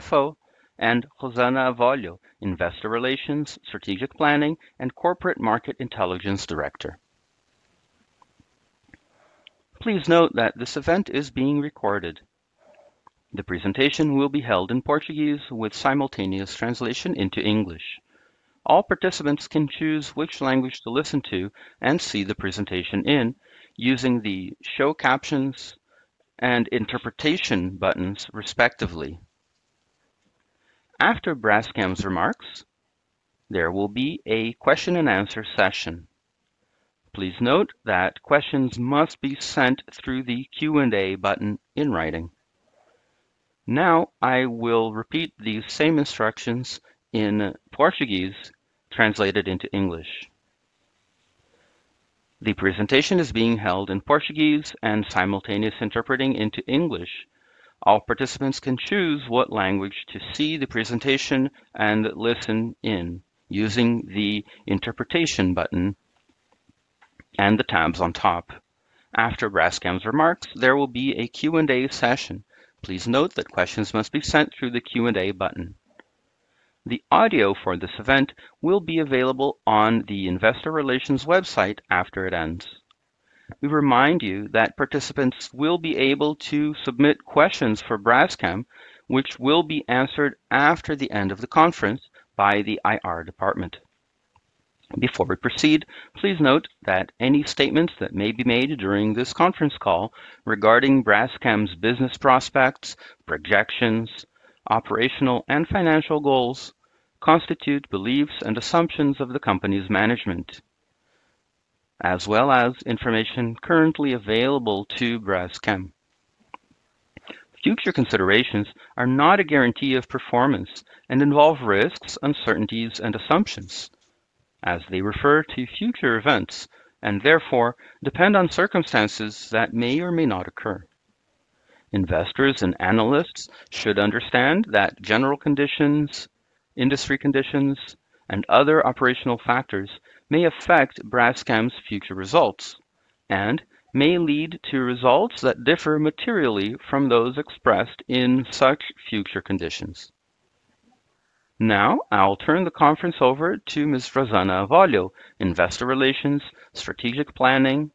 FO, and Rosana Avolio, Investor Relations, Strategic Planning, and Corporate Market Intelligence Director. Please note that this event is being recorded. The presentation will be held in Portuguese, with simultaneous translation into English. All participants can choose which language to listen to and see the presentation in using the show captions and interpretation buttons, respectively. After Braskem's, remarks, there will be a question-and-answer session. Please note that questions must be sent through the Q&A, button in writing. Now, I will repeat the same instructions in Portuguese, translated into English. The presentation is being held in Portuguese, and simultaneously interpreting into English. All participants can choose what language to see the presentation and listen in using the interpretation button and the tabs on top. After Braskem's, remarks, there will be a Q&A, session. Please note that questions must be sent through the Q&A, button. The audio for this event will be available on the Investor Relations, website after it ends. We remind you that participants will be able to submit questions for Braskem, which will be answered after the end of the conference by the IR, department. Before we proceed, please note that any statements that may be made during this conference call regarding Braskem's, business prospects, projections, operational, and financial goals constitute beliefs and assumptions of the company's management, as well as information currently available to Braskem. Future considerations are not a guarantee of performance and involve risks, uncertainties, and assumptions, as they refer to future events and therefore depend on circumstances that may or may not occur. Investors and analysts, should understand that general conditions, industry conditions, and other operational factors may affect Braskem's, future results and may lead to results that differ materially from those expressed in such future conditions. Now, I'll turn the conference over to Ms. Rosana Avolio, Investor Relations, Strategic Planning,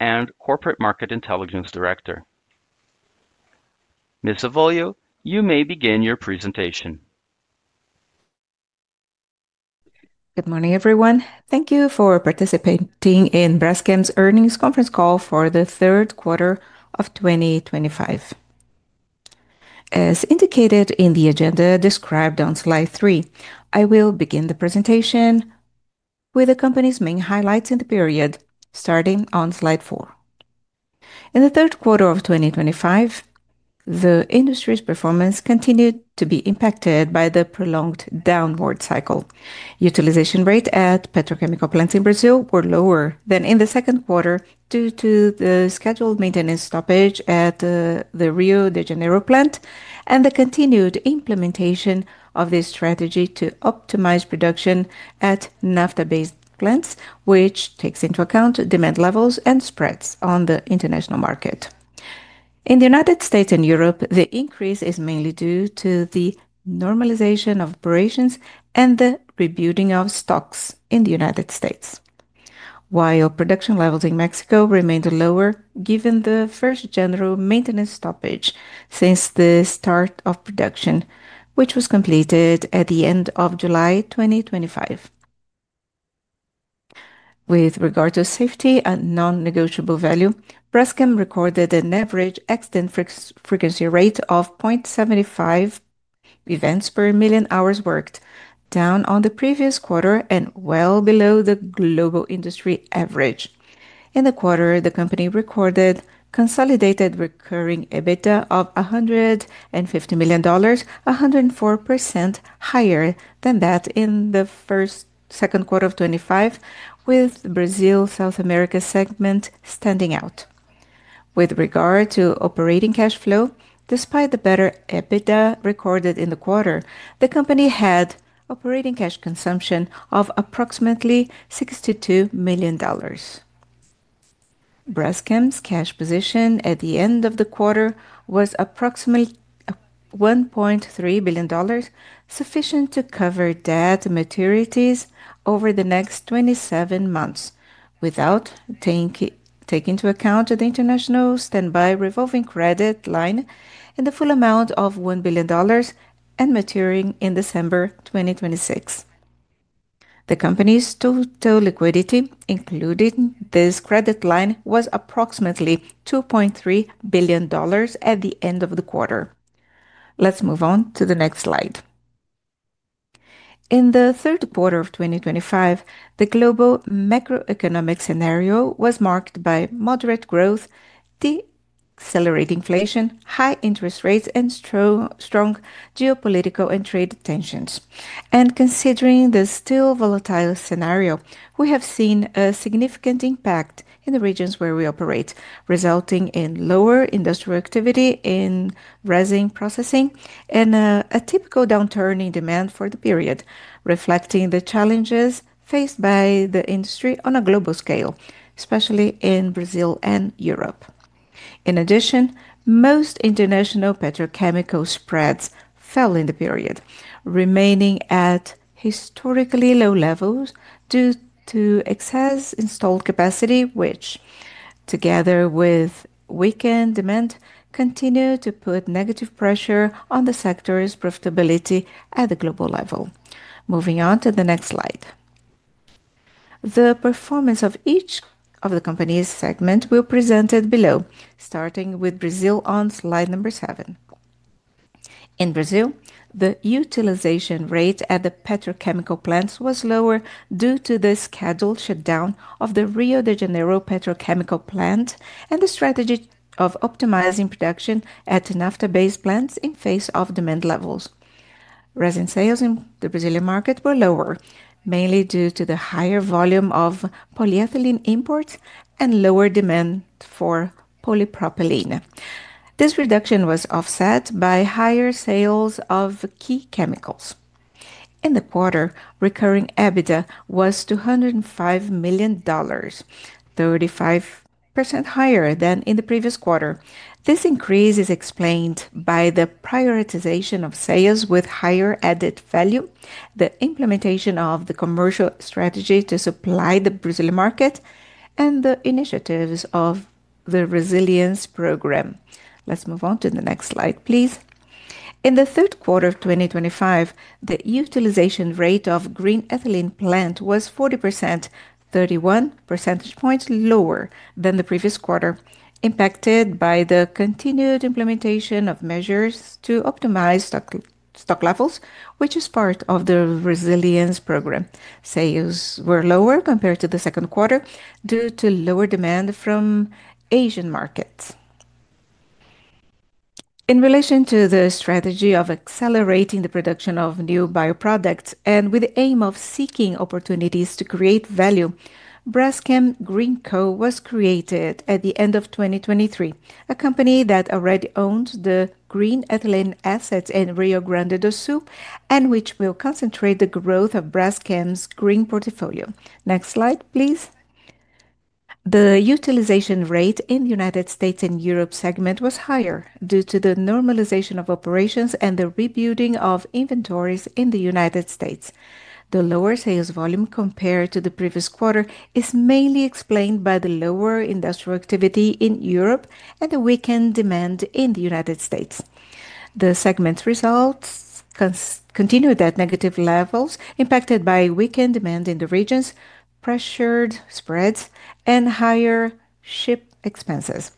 and Corporate Market Intelligence Director. Ms. Avolio, you may begin your presentation. Good morning, everyone. Thank you, for participating in Braskem's Earnings Conference Call for the Third Quarter of 2025. As indicated in the agenda described on slide three, I will begin the presentation with the company's main highlights in the period, starting on slide four. In the third quarter, of 2025, the industry's performance continued to be impacted by the prolonged downward cycle. Utilization rates, at petrochemical plants, in Brazil, were lower than in the second quarter, due to the scheduled maintenance stoppage at the Rio de Janeiro, plant and the continued implementation of this strategy to optimize production at naphtha-based, plants, which takes into account demand levels and spreads on the international market. In the United States and Europe, the increase is mainly due to the normalization of operations and the rebuilding of stocks in the United States, while production levels in Mexico, remained lower given the first general maintenance stoppage since the start of production, which was completed at the end of July 2025. With regard to safety and non-negotiable value, Braskem, recorded an average accident frequency rate of 0.75, events per million hours worked, down on the previous quarter and well below the global industry average. In the quarter, the company recorded consolidated recurring EBITDA, of $150 million, 104%, higher than that in the second quarter, of 2025, with the Brazil-South America, segment standing out. With regard to operating cash flow, despite the better EBITDA, recorded in the quarter, the company had operating cash consumption of approximately $62 million. Braskem's, cash position at the end of the quarter, was approximately $1.3 billion, sufficient to cover debt maturities over the next 27 months, without taking into account the international standby revolving credit line in the full amount of $1 billion and maturing in December 2026. The company's total liquidity including this credit line was approximately $2.3 billion, at the end of the quarter. Let's move on to the next slide. In the third quarter, of 2025, the global macroeconomic scenario, was marked by moderate growth, accelerated inflation, high interest rates, and strong geopolitical and trade tensions. Considering the still volatile scenario, we have seen a significant impact in the regions where we operate, resulting in lower industrial activity in resin processing and a typical downturn in demand for the period, reflecting the challenges faced by the industry on a global scale, especially in Brazil and Europe. In addition, most international petrochemical, spreads fell in the period, remaining at historically low levels due to excess installed capacity, which, together with weakened demand, continued to put negative pressure on the sector's profitability at the global level. Moving on to the next slide. The performance of each of the company's segments will be presented below, starting with Brazil, on slide number seven. In Brazil, the utilization rate at the petrochemical plants was lower due to the scheduled shutdown of the Rio de Janeiro, petrochemical plant, and the strategy of optimizing production at naphtha-based plants in face of demand levels. Resin, sales, in the Brazilian market were lower, mainly due to the higher volume of polyethylene imports, and lower demand for polypropylene. This reduction was offset by higher sales of key chemicals. In the quarter, recurring EBITDA, was $205 million, 35%, higher than in the previous quarter. This increase is explained by the prioritization of sales with higher added value, the implementation of the commercial strategy to supply the Brazilian, market, and the initiatives of the resilience program. Let's move on to the next slide, please. In the third quarter, of 2025, the utilization rate of Green Ethylene Plant, was 40%, 31 percentage points, lower than the previous quarter, impacted by the continued implementation of measures to optimize stock levels, which is part of the resilience program. Sales were lower compared to the second quarter due to lower demand from Asian markets. In relation to the strategy of accelerating the production of new bioproducts and with the aim of seeking opportunities to create value, Braskem Green Co., was created at the end of 2023, a company that already owned the Green Ethylene Assets in Rio Grande do Sul, and which will concentrate the growth of Braskem's, green portfolio. Next slide, please. The utilization rate in the United States and Europe segment was higher due to the normalization of operations and the rebuilding of inventories in the United States. The lower sales volume compared to the previous quarter is mainly explained by the lower industrial activity in Europe and the weakened demand in the United States. The segment's results continued at negative levels, impacted by weakened demand in the regions, pressured spreads, and higher ship expenses.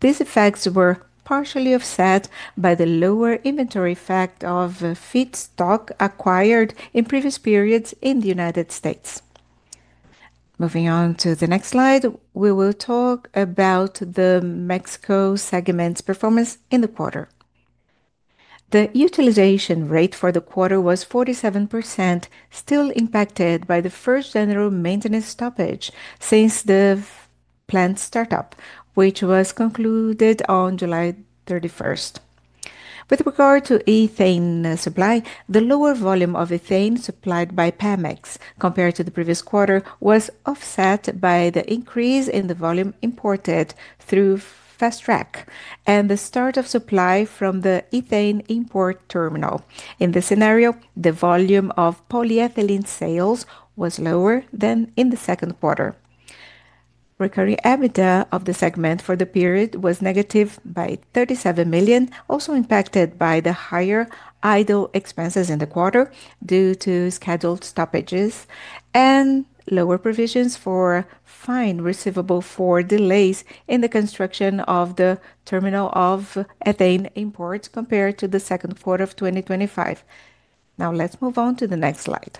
These effects were partially offset by the lower inventory fact of feedstock acquired in previous periods in the United States. Moving on to the next slide, we will talk about the Mexico segment's performance in the quarter. The utilization rate for the quarter was 47%, still impacted by the first general maintenance stoppage, since the plant startup, which was concluded on July 31. With regard to ethane supply, the lower volume of ethane supplied by Pemex, compared to the previous quarter was offset by the increase in the volume imported through Fast Track, and the start of supply from the ethane import terminal. In this scenario, the volume of polyethylene sales was lower than in the second quarter. Recurring EBITDA, of the segment for the period was negative by $37 million, also impacted by the higher idle expenses in the quarter due to scheduled stoppages and lower provisions for fine receivable for delays in the construction of the terminal of ethane imports compared to the second quarter, of 2025. Now, let's move on to the next slide.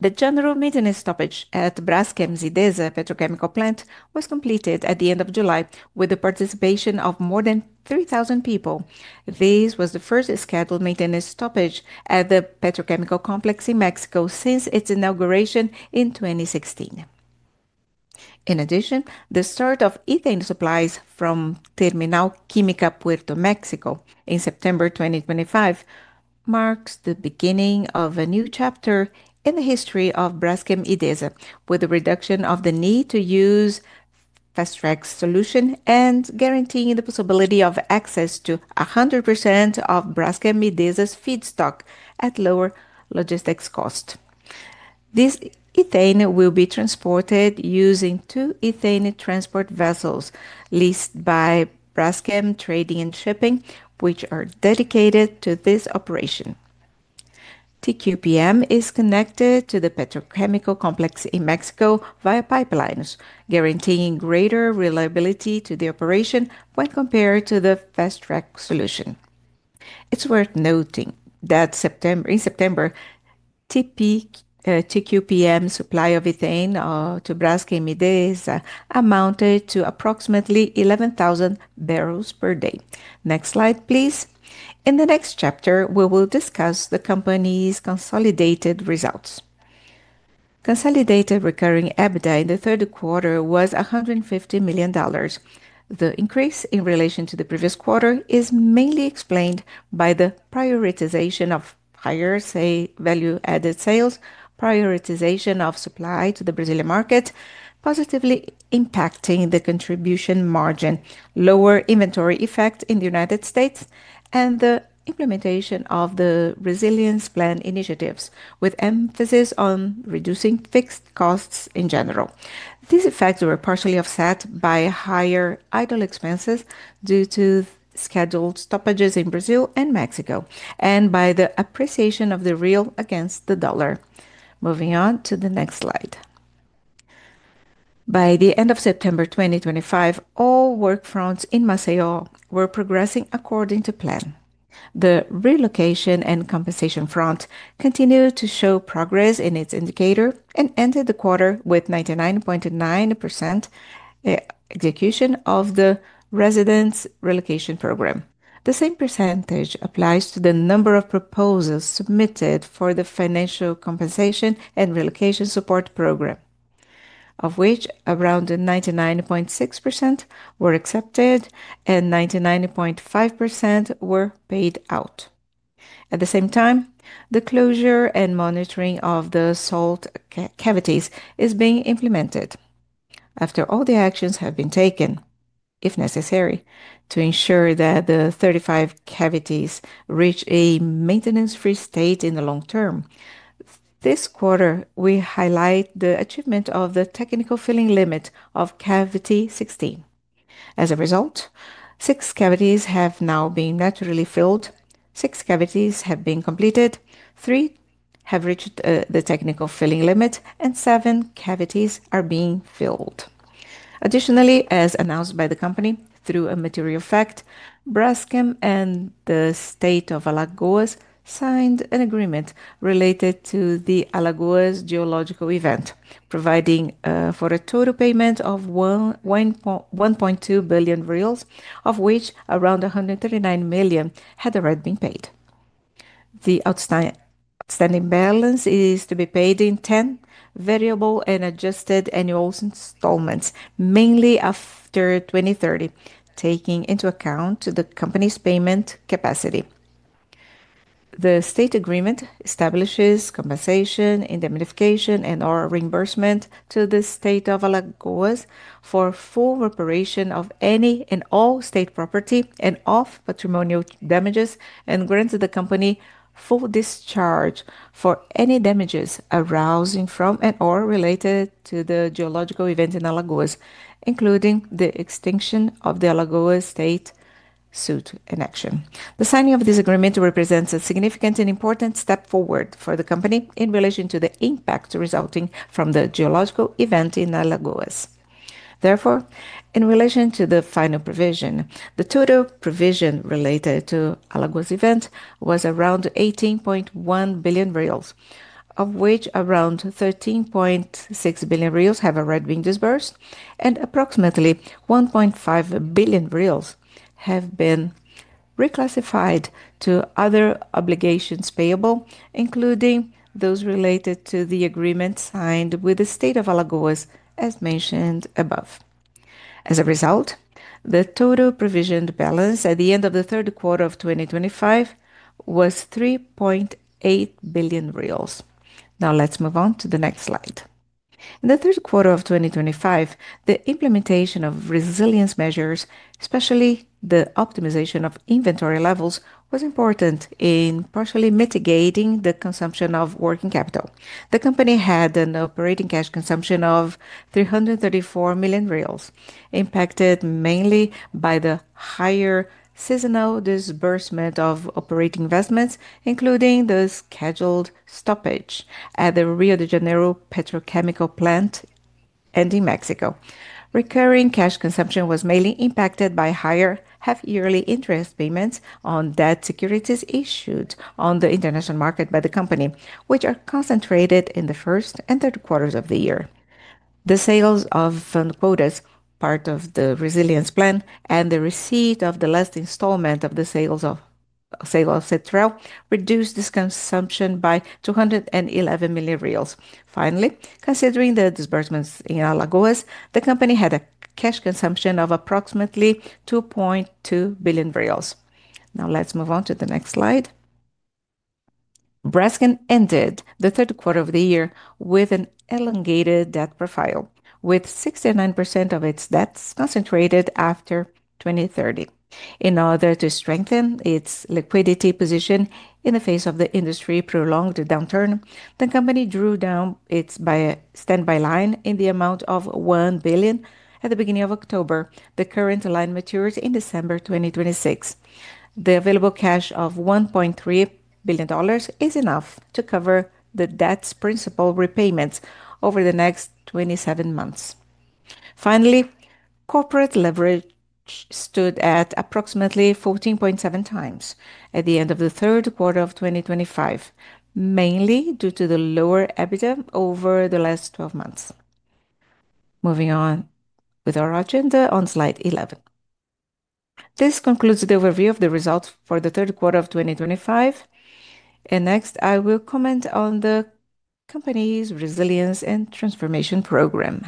The general maintenance stoppage at Braskem Idesa Petrochemical Plant, was completed at the end of July, with the participation of more than 3,000, people. This was the first scheduled maintenance stoppage at the petrochemical complex in Mexico, since its inauguration in 2016. In addition, the start of ethane supplies from Terminal Química Puerto México, in September 2025, marks the beginning of a new chapter, in the history of Braskem Idesa, with the reduction of the need to use Fast Track, solution and guaranteeing the possibility of access to 100%, of Braskem Idesa's, feedstock at lower logistics cost. This ethane will be transported using two ethane transport vessels, leased by Braskem Trading, and Shipping, which are dedicated to this operation. TQPM, is connected to the petrochemical complex, in Mexico, via pipelines, guaranteeing greater reliability to the operation when compared to the Fast Track, solution. It's worth noting that in September, TQPM's, supply of ethane to Braskem Idesa, amounted to approximately 11,000 barrels per day. Next slide, please. In the next chapter, we will discuss the company's consolidated results. Consolidated recurring EBITDA, in the third quarter, was $150 million. The increase in relation to the previous quarter is mainly explained bdy the prioritization of higher value-added sales, prioritization of supply to the Brazilian market, positively impacting the contribution margin, lower inventory effect in the United States, and the implementation of the resilience plan initiatives with emphasis on reducing fixed costs in general. These effects were partially offset by higher idle expenses due to scheduled stoppages in Brazil and Mexico, and by the appreciation of the real against the dollar. Moving on to the next slide. By the end of September 2025, all work fronts in Maceió, were progressing according to plan. The relocation and compensation front continued to show progress in its indicator and ended the quarter with 99.9%, execution of the residents' relocation program. The same percentage applies to the number of proposals submitted for the financial compensation and relocation support program, of which around 99.6%, were accepted and 99.5% were paid out. At the same time, the closure and monitoring of the salt cavities is being implemented. After all the actions have been taken, if necessary, to ensure that the 35 cavities, reach a maintenance-free state in the long term, this quarter, we highlight the achievement of the technical filling limit of cavity 16. As a result, six cavities, have now been naturally filled, six cavities, have been completed, three have reached the technical filling limit, and seven cavities are being filled. Additionally, as announced by the company through a material fact, Braskem, and the state of Alagoas, signed an agreement related to the Alagoas, geological event, providing for a total payment of 1.2 billion reais, of which around 139 million, had already been paid. The outstanding balance is to be paid in 10 variable, and adjusted annual installments, mainly after 2030, taking into account the company's payment capacity. The state agreement establishes compensation, indemnification, and/or reimbursement to the state of Alagoas, for full reparation of any and all state property and off-patrimonial damages, and grants the company full discharge for any damages arising from and/or related to the geological event in Alagoas, including the extinction of the Alagoas, state suit in action. The signing of this agreement represents a significant and important step forward for the company in relation to the impact resulting from the geological event in Alagoas. Therefore, in relation to the final provision, the total provision related to the Alagoas event was around 18.1 billion reais, of which around 13.6 billion reais have already been disbursed, and approximately 1.5 billion reais have been reclassified to other obligations payable, including those related to the agreement signed with the state of Alagoas, as mentioned above. As a result, the total provisioned balance at the end of the third quarter of 2025 was 3.8 billion reais. Now, let's move on to the next slide. In the third quarter of 2025, the implementation of resilience measures, especially the optimization of inventory levels, was important in partially mitigating the consumption of working capital. The company had an operating cash consumption of 334 million reais, impacted mainly by the higher seasonal disbursement of operating investments, including the scheduled stoppage at the Rio de Janeiro petrochemical plant and in Mexico. Recurring cash consumption, was mainly impacted by higher half-yearly interest payments on debt securities issued on the international market by the company, which are concentrated in the first and third quarters, of the year. The sales of Anquotas, part of the resilience plan, and the receipt of the last installment of the sales of Sitro, reduced this consumption by 211 million reais. Finally, considering the disbursements in Alagoas, the company had a cash consumption of approximately 2.2 billion reais. Now, let's move on to the next slide. Braskem, ended the third quarter of the year with an elongated debt profile, with 69%, of its debts concentrated after 2030. In order to strengthen its liquidity position in the face of the industry prolonged downturn, the company drew down its standby line in the amount of $1 billion, at the beginning of October, the current line matures in December 2026. The available cash of $1.3 billion, is enough to cover the debt's principal repayments over the next 27 months. Finally, corporate leverage stood at approximately 14.7 times, at the end of the third quarter, of 2025, mainly due to the lower EBITDA, over the last 12 months. Moving on with our agenda on slide 11. This concludes the overview of the results for the third quarter of 2025. Next, I will comment on the company's resilience and transformation program.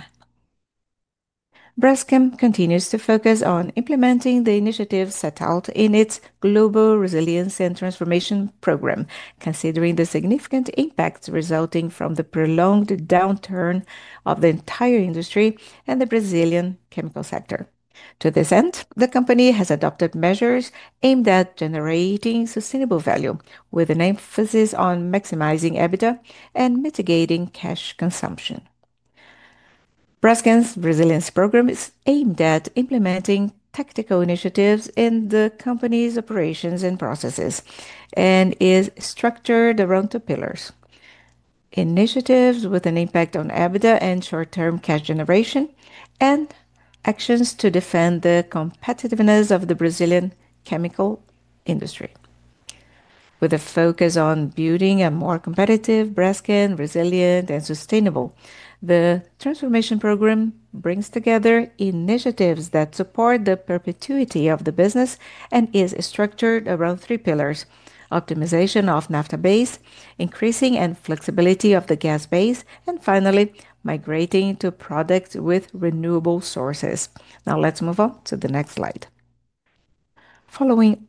Braskem, continues to focus on implementing the initiatives set out in its global resilience and transformation program, considering the significant impacts resulting from the prolonged downturn of the entire industry and the Brazilian, chemical sector. To this end, the company has adopted measures aimed at generating sustainable value, with an emphasis on maximizing EBITDA, and mitigating cash consumption. Braskem's resilience program is aimed at implementing tactical initiatives in the company's operations and processes and is structured around two pillars: initiatives with an impact on EBITDA, and short-term cash generation, and actions to defend the competitiveness of the Brazilian chemical industry. With a focus on building a more competitive, Braskem, resilient and sustainable, the transformation program brings together initiatives that support the perpetuity of the business and is structured around three pillars: optimization of naphtha base, increasing and flexibility of the gas base, and finally, migrating to products with renewable sources. Now, let's move on to the next slide. Following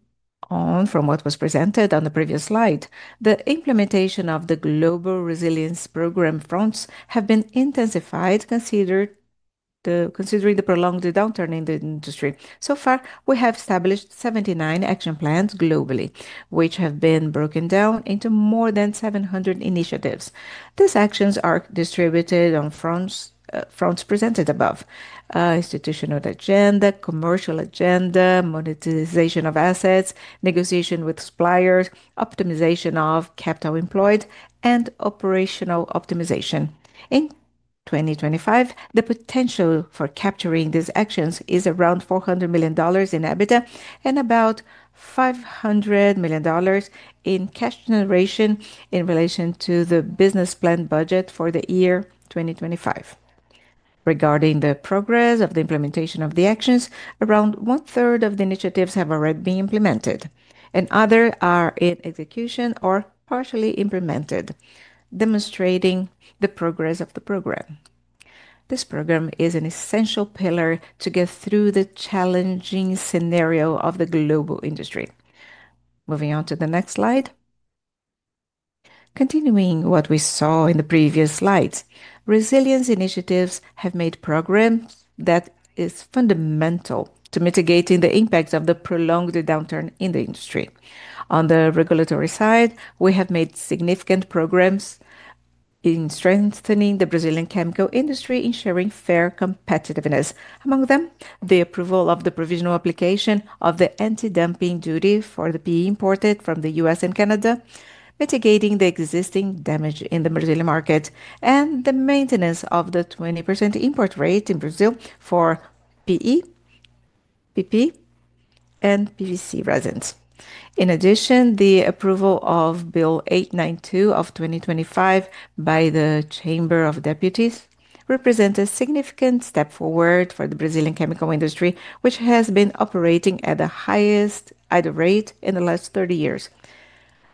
on from what was presented on the previous slide, the implementation of the global resilience program, fronts have been intensified considering the prolonged downturn in the industry. So far, we have established 79, action plans globally, which have been broken down into more than 700 initiatives. These actions are distributed on fronts presented above: institutional agenda, commercial agenda, monetization of assets, negotiation with suppliers, optimization of capital employed, and operational optimization. In 2025, the potential for capturing these actions is around $400 million, in EBITDA, and about $500 million, in cash generation in relation to the business plan budget for the year 2025. Regarding the progress of the implementation of the actions, around one-third, of the initiatives have already been implemented, and others are in execution or partially implemented, demonstrating the progress of the program. This program is an essential pillar to get through the challenging scenario of the global industry. Moving on to the next slide. Continuing what we saw in the previous slides, resilience initiatives have made progress that is fundamental to mitigating the impacts of the prolonged downturn in the industry. On the regulatory side, we have made significant progress in strengthening the Brazilian, chemical industry in sharing fair competitiveness. Among them, the approval of the provisional application of the anti-dumping duty for the PE, imported from the U.S. and Canada, mitigating the existing damage in the Brazilian market, and the maintenance of the 20%, import rate in Brazil, for PE, PP, and PVC resins. In addition, the approval of Bill 892/2025, by the Chamber of Deputies, represents a significant step forward for the Brazilian, chemical industry, which has been operating at the highest idle rate, in the last 30 years.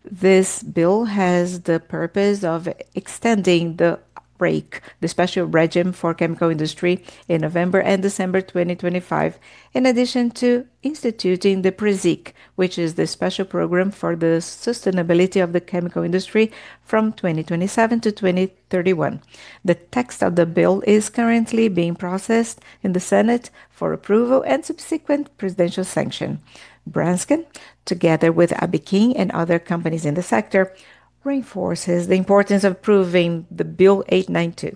This bill has the purpose of extending the REIC, the special regime for the chemical industry, in November and December 2025, in addition to instituting the PRESIC, which is the special program for the sustainability of the chemical industry from 2027 to 2031. The text of the bill is currently being processed in the Senate, for approval and subsequent presidential sanction. Braskem, together with Abiquim, and other companies in the sector, reinforces the importance of approving Bill 892.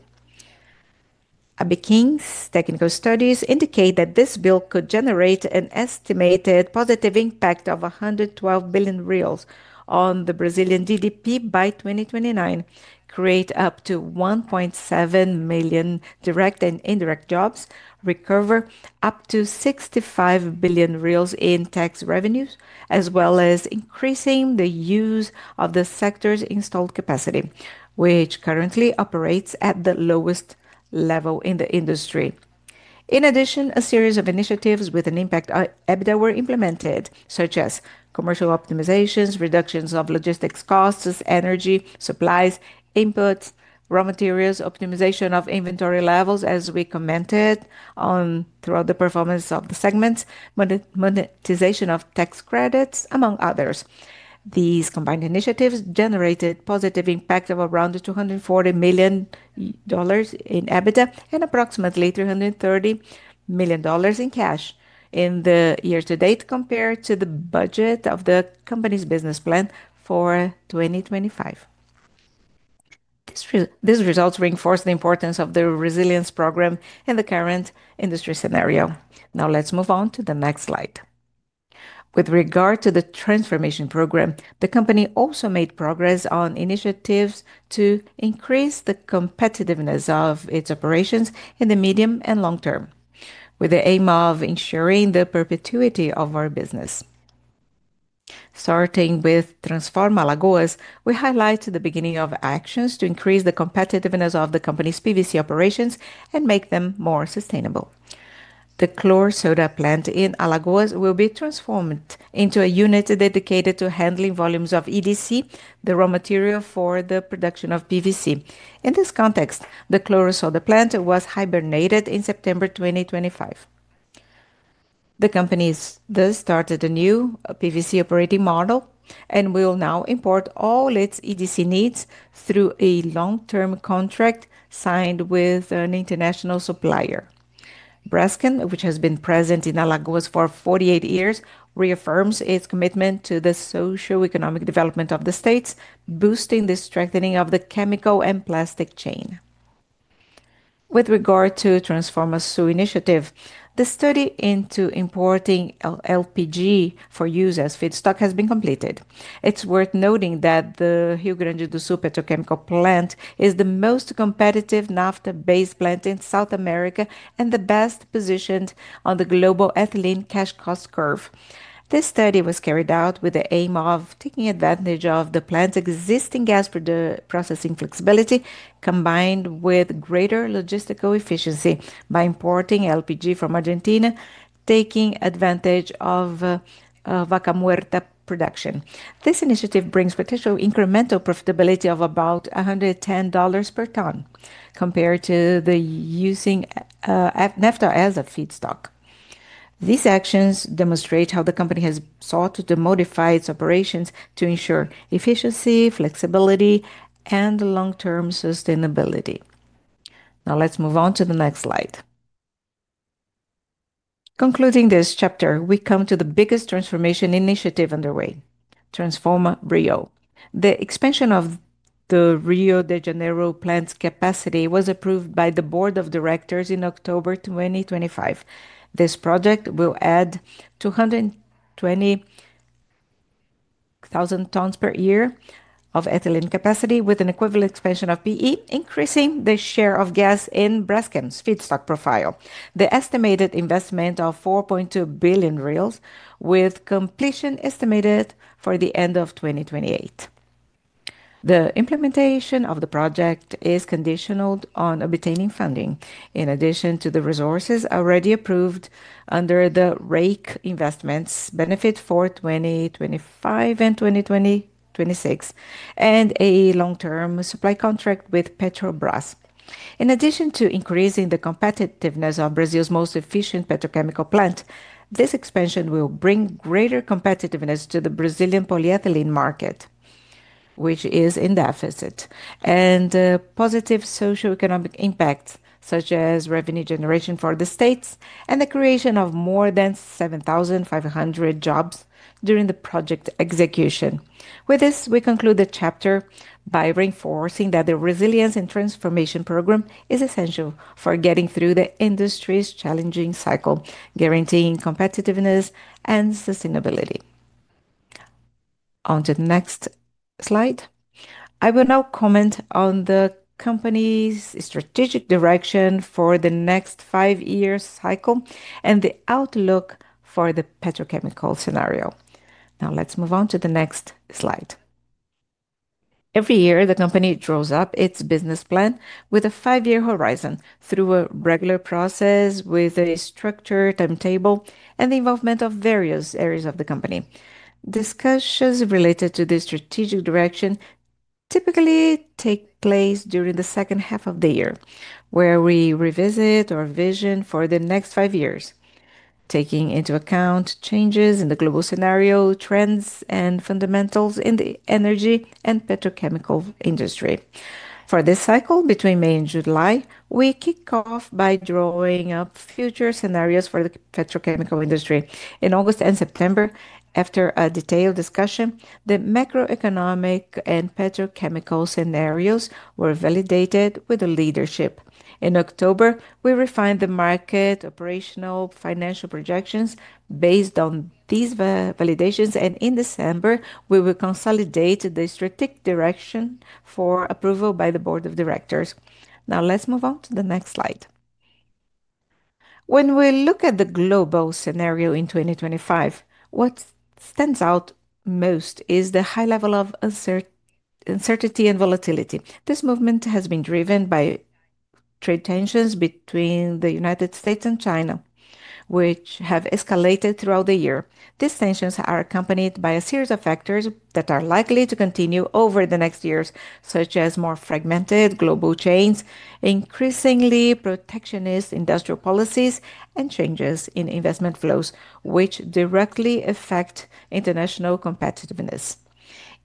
Abiquim's, technical studies indicate that this bill could generate an estimated positive impact of 112 billion reais, on the Brazilian, GDP by 2029, create up to 1.7 million, direct and indirect jobs, recover up to 65 billion reais, in tax revenues, as well as increasing the use of the sector's installed capacity, which currently operates at the lowest level in the industry. In addition, a series of initiatives with an impact on EBITDA, were implemented, such as commercial optimizations, reductions of logistics costs, energy supplies, inputs, raw materials, optimization of inventory levels, as we commented on throughout the performance of the segments, monetization of tax credits, among others. These combined initiatives generated positive impacts, of around $240 million, in EBITDA, and approximately $330 million, in cash in the year-to-date compared to the budget of the company's business plan for 2025. These results reinforce the importance of the resilience program in the current industry scenario. Now, let's move on to the next slide. With regard to the transformation program, the company also made progress on initiatives to increase the competitiveness of its operations in the medium and long term, with the aim of ensuring the perpetuity of our business. Starting with Transform Alagoas, we highlight the beginning of actions to increase the competitiveness of the company's PVC, operations and make them more sustainable. The chloro soda, plant in Alagoas, will be transformed into a unit dedicated to handling volumes of EDC, the raw material for the production of PVC. In this context, the chlor-alkali plant was hibernated in September 2025. The company has thus started a new PVC operating model, and will now import all its EDC, needs through a long-term contract signed with an international supplier. Braskem, which has been present in Alagoas, for 48 years, reaffirms its commitment to the socio-economic development, of the state, boosting the strengthening of the chemical and plastic chain. With regard to the Transform Sul initiative, the study into importing LPG, for use as feedstock has been completed. It's worth noting that the Rio Grande do Sul, petrochemical plant, is the most competitive naphtha-based, plant in South America and the best positioned on the global ethylene, cash cost curve. This study was carried out with the aim of taking advantage of the plant's existing gas processing flexibility, combined with greater logistical efficiency by importing LPG, from Argentina, taking advantage of Vaca Muerta, production. This initiative brings potential incremental profitability of about $110, per ton compared to using naphtha as a feedstock. These actions demonstrate how the company has sought to modify its operations to ensure efficiency, flexibility, and long-term sustainability. Now, let's move on to the next slide. Concluding this chapter, we come to the biggest transformation initiative underway, Transform Rio. The expansion of the Rio de Janeiro, plant's capacity was approved by the board of directors in October 2025. This project will add 220,000, tons per year of ethylene capacity, with an equivalent expansion of PE, increasing the share of gas in Braskem's, feedstock profile. The estimated investment is 4.2 billion reais, with completion estimated for the end of 2028. The implementation of the project is conditional on obtaining funding. In addition to the resources already approved under the REIC investments, benefit for 2025 and 2026, and a long-term supply contract with Petrobras. In addition to increasing the competitiveness of Brazil's most efficient petrochemical plant, this expansion will bring greater competitiveness to the Brazilian, polyethylene market, which is in deficit, and positive socio-economic, impacts such as revenue generation for the states and the creation of more than 7,500, jobs during the project execution. With this, we conclude the chapter by reinforcing that the resilience and transformation program is essential for getting through the industry's challenging cycle, guaranteeing competitiveness and sustainability. On to the next slide. I will now comment on the company's strategic direction for the next five-year, cycle and the outlook for the petrochemical scenario. Now, let's move on to the next slide. Every year, the company draws up its business plan with a five-year horizon through a regular process with a structured timetable and the involvement of various areas of the company. Discussions related to this strategic direction typically take place during the second half of the year, where we revisit our vision for the next five years, taking into account changes in the global scenario, trends, and fundamentals in the energy and petrochemical industry. For this cycle, between May and July, we kick off by drawing up future scenarios for the petrochemical industry. In August and September, after a detailed discussion, the macroeconomic and petrochemical scenarios were validated with the leadership. In October, we refined the market operational financial projections based on these validations, and in December, we will consolidate the strategic direction for approval by the board of directors. Now, let's move on to the next slide. When we look at the global scenario in 2025, what stands out most is the high level of uncertainty and volatility. This movement has been driven by trade tensions between the United States and China, which have escalated throughout the year. These tensions are accompanied by a series of factors that are likely to continue over the next years, such as more fragmented global chains, increasingly protectionist industrial policies, and changes in investment flows, which directly affect international competitiveness.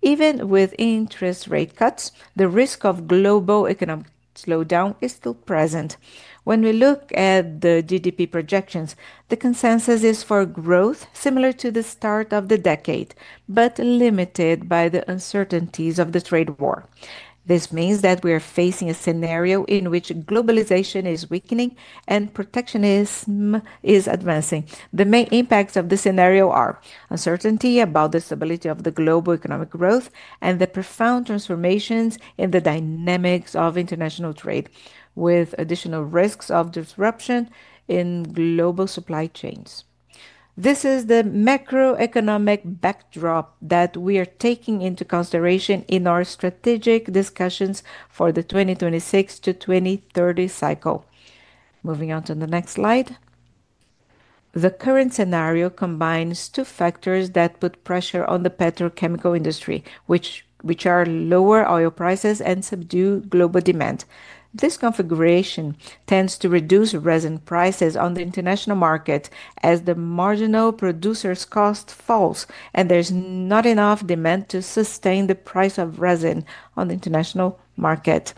Even with interest rate cuts, the risk of global economic slowdown is still present. When we look at the GDP, projections, the consensus is for growth, similar to the start of the decade, but limited by the uncertainties of the trade war. This means that we are facing a scenario in which globalization is weakening and protectionism is advancing. The main impacts of the scenario are uncertainty about the stability of the global economic growth and the profound transformations in the dynamics of international trade, with additional risks of disruption in global supply chains. This is the macroeconomic backdrop that we are taking into consideration in our strategic discussions for the 2026 to 2030 cycle. Moving on to the next slide. The current scenario combines two factors that put pressure on the petrochemical industry, which are lower oil prices and subdued global demand. This configuration tends to reduce resin prices on the international market, as the marginal producer's cost falls, and there's not enough demand to sustain the price of resin, on the international market.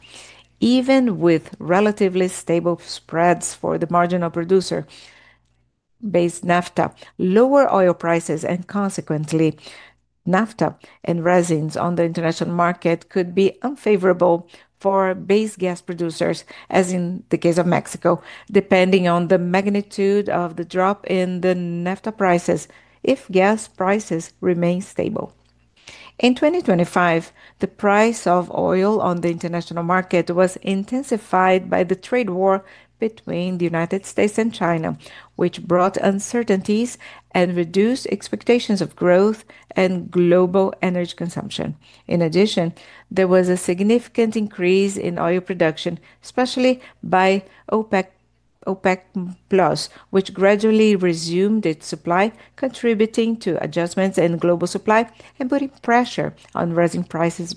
Even with relatively stable spreads for the marginal producer-based naphtha, lower oil prices and consequently naphtha, and resins on the international market could be unfavorable for base gas producers, as in the case of Mexico, depending on the magnitude of the drop in the naphtha, prices if gas prices remain stable. In 2025, the price of oil, on the international market was intensified by the trade war, between the United States and China, which brought uncertainties and reduced expectations of growth and global energy consumption. In addition, there was a significant increase in oil production, especially by OPEC Plus, which gradually resumed its supply, contributing to adjustments in global supply and putting pressure on resin prices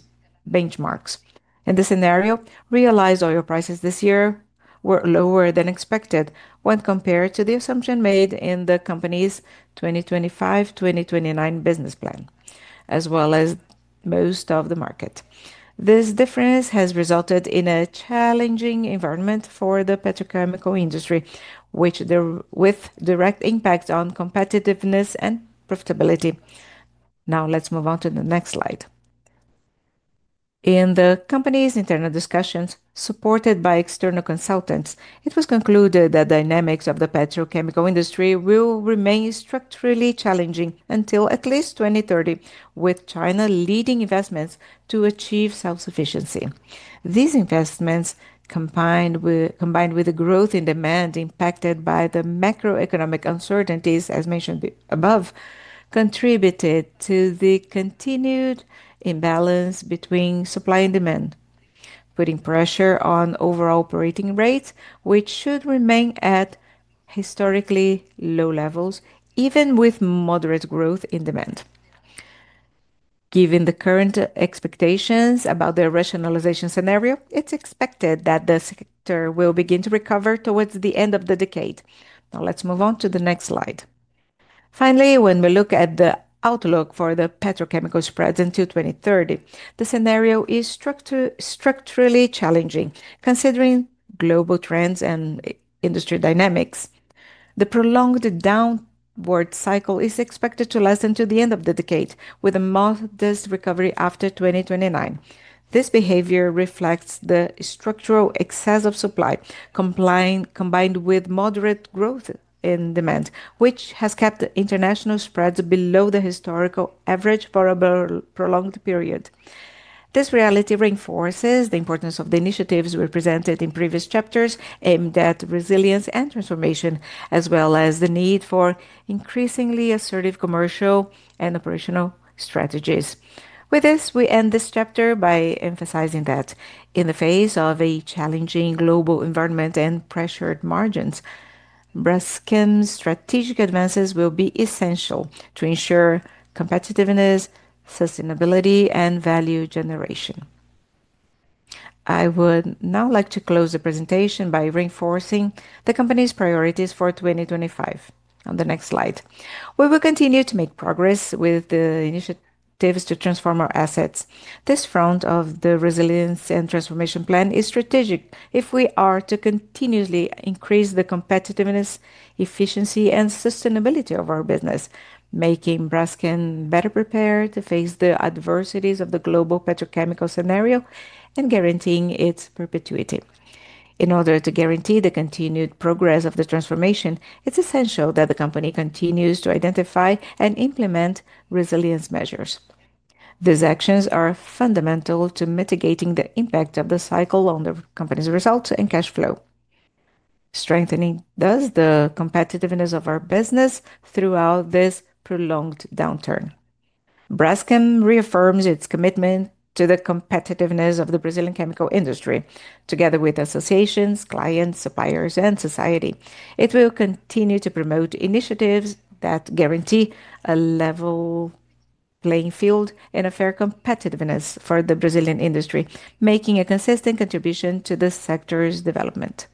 benchmarks. In this scenario, realized oil prices this year were lower than expected when compared to the assumption made in the company's 2025-2029, business plan, as well as most of the market. This difference has resulted in a challenging environment for the petrochemical industry, which with direct impact on competitiveness and profitability. Now, let's move on to the next slide. In the company's internal discussions supported by external consultants, it was concluded that dynamics of the petrochemical industry will remain structurally challenging until at least 2030, with China, leading investments to achieve self-sufficiency. These investments, combined with the growth in demand impacted by the macroeconomic uncertainties, as mentioned above, contributed to the continued imbalance between supply and demand, putting pressure on overall operating rates, which should remain at historically low levels, even with moderate growth in demand. Given the current expectations about the rationalization scenario, it's expected that the sector will begin to recover towards the end of the decade. Now, let's move on to the next slide. Finally, when we look at the outlook for the petrochemical, spreads into 2030, the scenario is structurally challenging. Considering global trends and industry dynamics, the prolonged downward cycle is expected to lessen to the end of the decade, with a modest recovery after 2029. This behavior reflects the structural excess of supply, combined with moderate growth in demand, which has kept international spreads below the historical average for a prolonged period. This reality reinforces the importance of the initiatives represented in previous chapters, aimed at resilience and transformation, as well as the need for increasingly assertive commercial and operational strategies. With this, we end this chapter by emphasizing that in the face of a challenging global environment and pressured margins, Braskem's, strategic advances will be essential to ensure competitiveness, sustainability, and value generation. I would now like to close the presentation by reinforcing the company's priorities for 2025. On the next slide, we will continue to make progress with the initiatives to transform our assets. This front of the resilience and transformation plan is strategic if we are to continuously increase the competitiveness, efficiency, and sustainability of our business, making Braskem, better prepared to face the adversities of the global petrochemical, scenario and guaranteeing its perpetuity. In order to guarantee the continued progress of the transformation, it's essential that the company continues to identify and implement resilience measures. These actions are fundamental to mitigating the impact of the cycle on the company's results and cash flow, strengthening thus the competitiveness of our business throughout this prolonged downturn. Braskem, reaffirms its commitment to the competitiveness of the Brazilian, chemical industry, together with associations, clients, suppliers, and society. It will continue to promote initiatives that guarantee a level playing field and a fair competitiveness for the Brazilian industry, making a consistent contribution to the sector's development.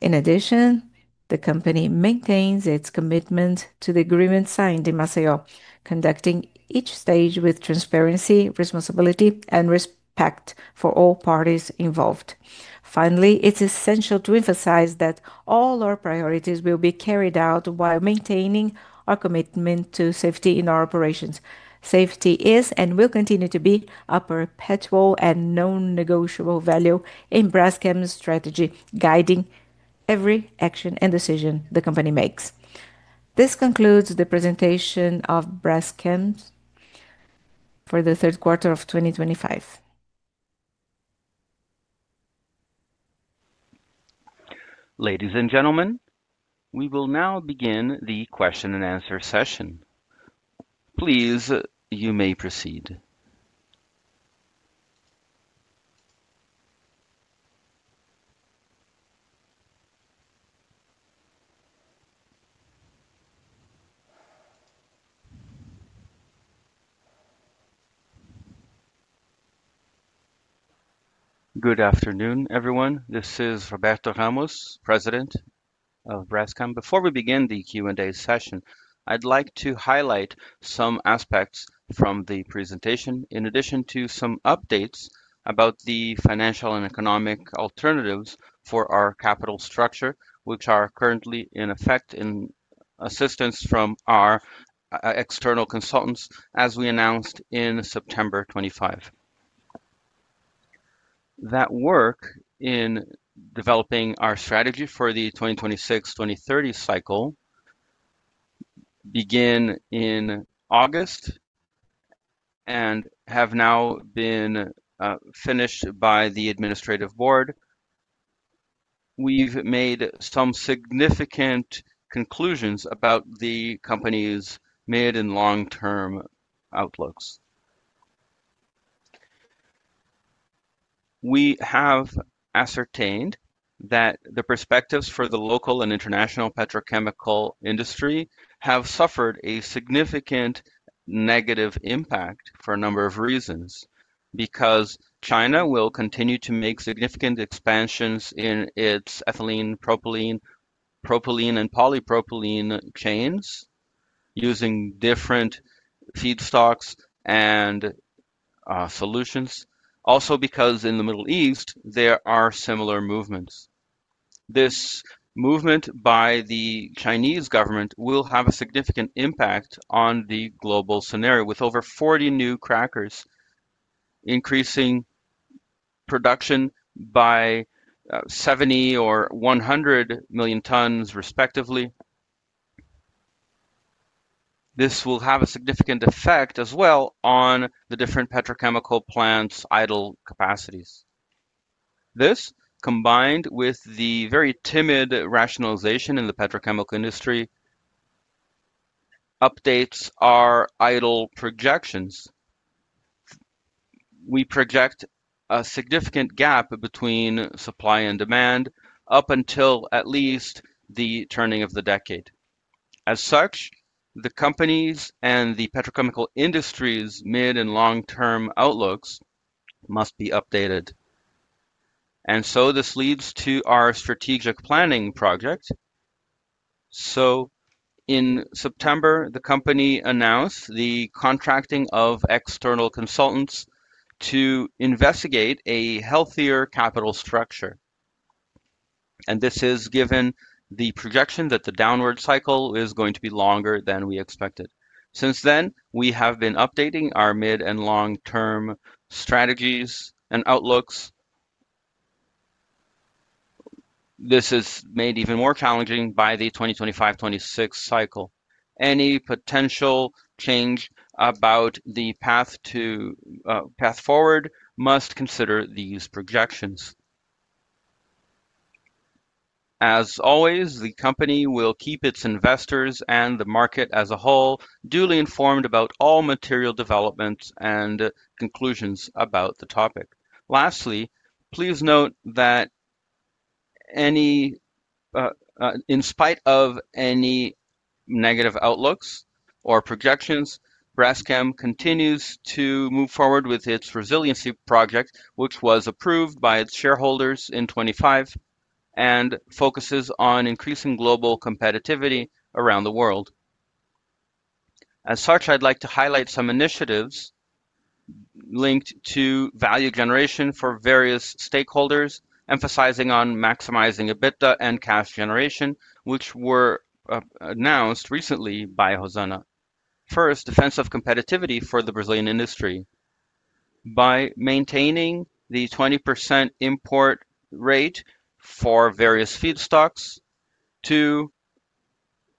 In addition, the company maintains its commitment to the agreement signed in Maceió, conducting each stage with transparency, responsibility, and respect for all parties involved. Finally, it's essential to emphasize that all our priorities will be carried out while maintaining our commitment to safety in our operations. Safety is and will continue to be a perpetual and non-negotiable, value in Braskem's strategy, guiding every action and decision the company makes. This concludes the presentation of Braskem, for the third quarter, of 2025. Ladies and gentlemen, we will now begin the question and answer session. Please, you may proceed. Good afternoon, everyone. This is Roberto Ramos, President of Braskem. Before we begin the Q&A session, I'd like to highlight some aspects from the presentation, in addition to some updates about the financial and economic alternatives for our capital structure, which are currently in effect and assistance from our external consultants, as we announced in September 25. That work in developing our strategy for the 2026-2030 cycle began in August, and has now been finished by the Administrative Board. We've made some significant conclusions about the company's mid and long-term outlooks. We have ascertained that the perspectives for the local and international petrochemical industry have suffered a significant negative impact for a number of reasons, because China, will continue to make significant expansions in its ethylene, propylene, and polypropylene chains, using different feedstocks and solutions. Also, because in the Middle East, there are similar movements. This movement by the Chinese government, will have a significant impact on the global scenario, with over 40 new crackers, increasing production by 70 or 100 million tons, respectively. This will have a significant effect as well on the different petrochemical plants' idle capacities. This, combined with the very timid rationalization in the petrochemical industry, updates our idle projections. We project a significant gap between supply and demand up until at least the turning of the decade. As such, the companies and the petrochemical industry's mid and long-term outlooks must be updated. This leads to our strategic planning project. In September, the company announced the contracting of external consultants to investigate a healthier capital structure. This is given the projection that the downward cycle is going to be longer than we expected. Since then, we have been updating our mid and long-term strategies and outlooks. This is made even more challenging by the 2025-2026 cycle. Any potential change about the path forward must consider these projections. As always, the company will keep its investors and the market as a whole duly informed about all material developments and conclusions about the topic. Lastly, please note that in spite of any negative outlooks or projections, Braskem, continues to move forward with its resilience project, which was approved by its shareholders in 2025, and focuses on increasing global competitivity around the world. As such, I'd like to highlight some initiatives linked to value generation for various stakeholders, emphasizing on maximizing EBITDA, and cash generation, which were announced recently by Rosana. First, defense of competitivity for the Brazilian, industry by maintaining the 20%, import rate for various feedstocks. Two,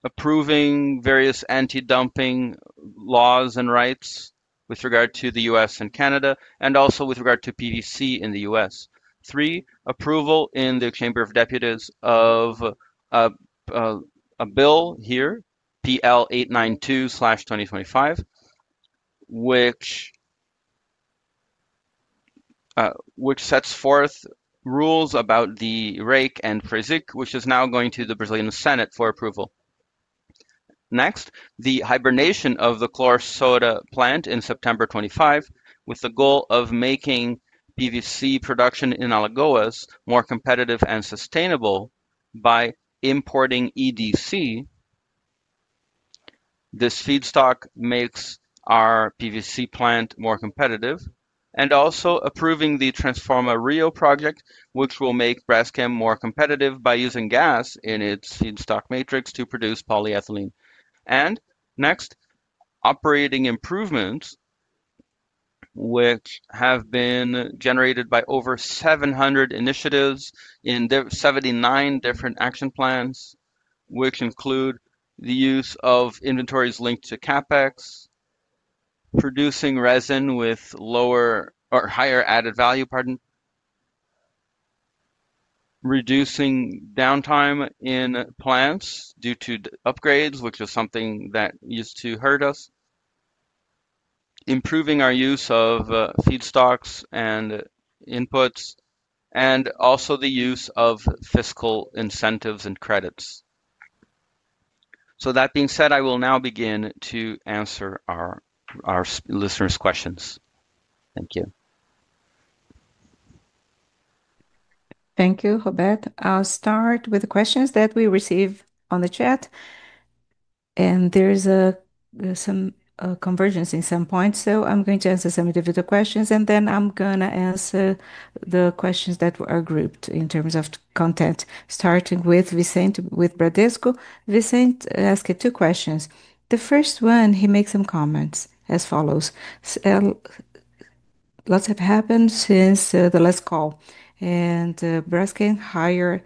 approving various anti-dumping laws and rights with regard to the U.S. and Canada, and also with regard to PVC in the US. Three, approval in the Chamber of Deputies, of a bill here, PL 892/2025, which sets forth rules about the REIC and PRESIC, which is now going to the Brazilian Senate, for approval. Next, the hibernation of the chlor-alkali, plant in September 2025, with the goal of making PVC, production in Alagoas more competitive and sustainable by importing EDC. This feedstock makes our PVC, plant more competitive. Also approving the Transform Rio project, which will make Braskem, more competitive by using gas in its feedstock matrix to produce polyethylene. Next, operating improvements which have been generated by over 700, initiatives in 7,9 different action plans, which include the use of inventories linked to CapEx, producing resin with lower or higher added value, pardon, reducing downtime in plants due to upgrades, which is something that used to hurt us, improving our use of feedstocks and inputs, and also the use of fiscal incentives and credits. That being said, I will now begin to answer our listeners' questions. Thank you. Thank you, Roberto. I'll start with the questions that we receive on the chat. There is some convergence in some points. I'm going to answer some individual questions, and then I'm going to answer the questions that are grouped in terms of content, starting with Vicente with Bradesco. Vicente, asked two questions. The first one, he makes some comments as follows. Lots have happened since the last call, and Braskem, hired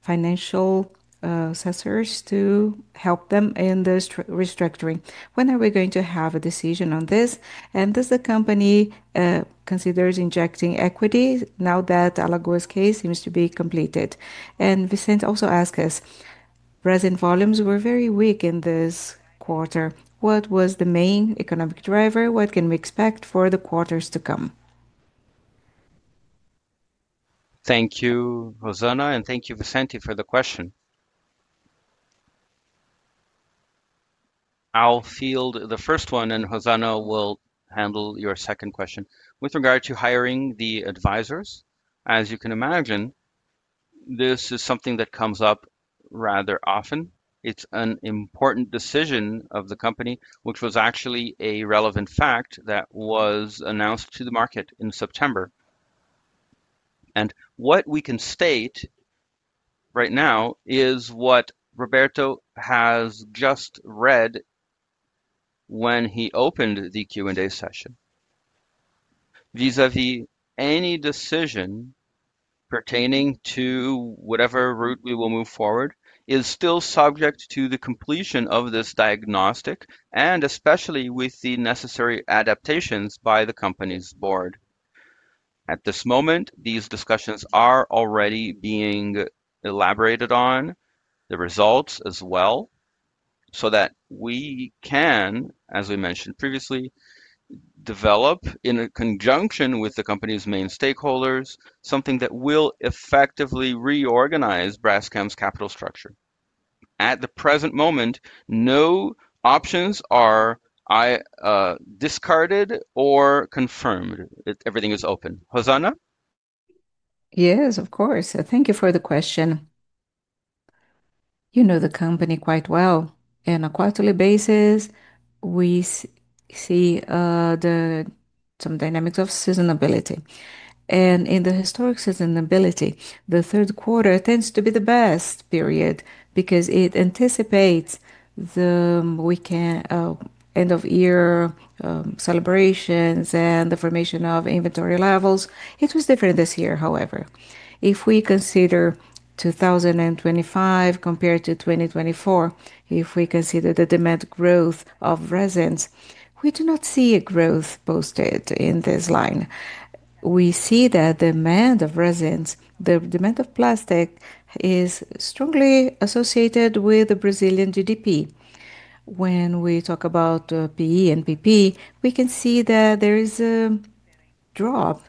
financial assessors to help them in the restructuring. When are we going to have a decision on this? Does the company consider injecting equity now that the Alagoas, case seems to be completed? Vicente also asked us, resin volumes were very weak in this quarter. What was the main economic driver? What can we expect for the quarters to come? Thank you, Rosana, and thank you, Vicente, for the question. I'll field the first one, and Rosana, will handle your second question. With regard to hiring the advisors, as you can imagine, this is something that comes up rather often. It is an important decision of the company, which was actually a relevant fact that was announced to the market in September. What we can state right now is what Roberto, has just read when he opened the Q&A session. Vis-à-vis any decision pertaining to whatever route we will move forward is still subject to the completion of this diagnostic, and especially with the necessary adaptations by the company's board. At this moment, these discussions are already being elaborated on the results as well, so that we can, as we mentioned previously, develop in conjunction with the company's main stakeholders, something that will effectively reorganize Braskem's, capital structure. At the present moment, no options are discarded or confirmed. Everything is open. Rosana? Yes, of course. Thank you for the question. You know the company quite well. On a quarterly basis, we see some dynamics of seasonability. In the historic seasonability, the third quarter tends to be the best period because it anticipates the weekend end-of-year celebrations and the formation of inventory levels. It was different this year, however. If we consider 2025, compared to 2024, if we consider the demand growth of resins, we do not see a growth posted in this line. We see that demand of resins, the demand of plastic, is strongly associated with the Brazilian GDP. When we talk about PE, and PP, we can see that there is a drop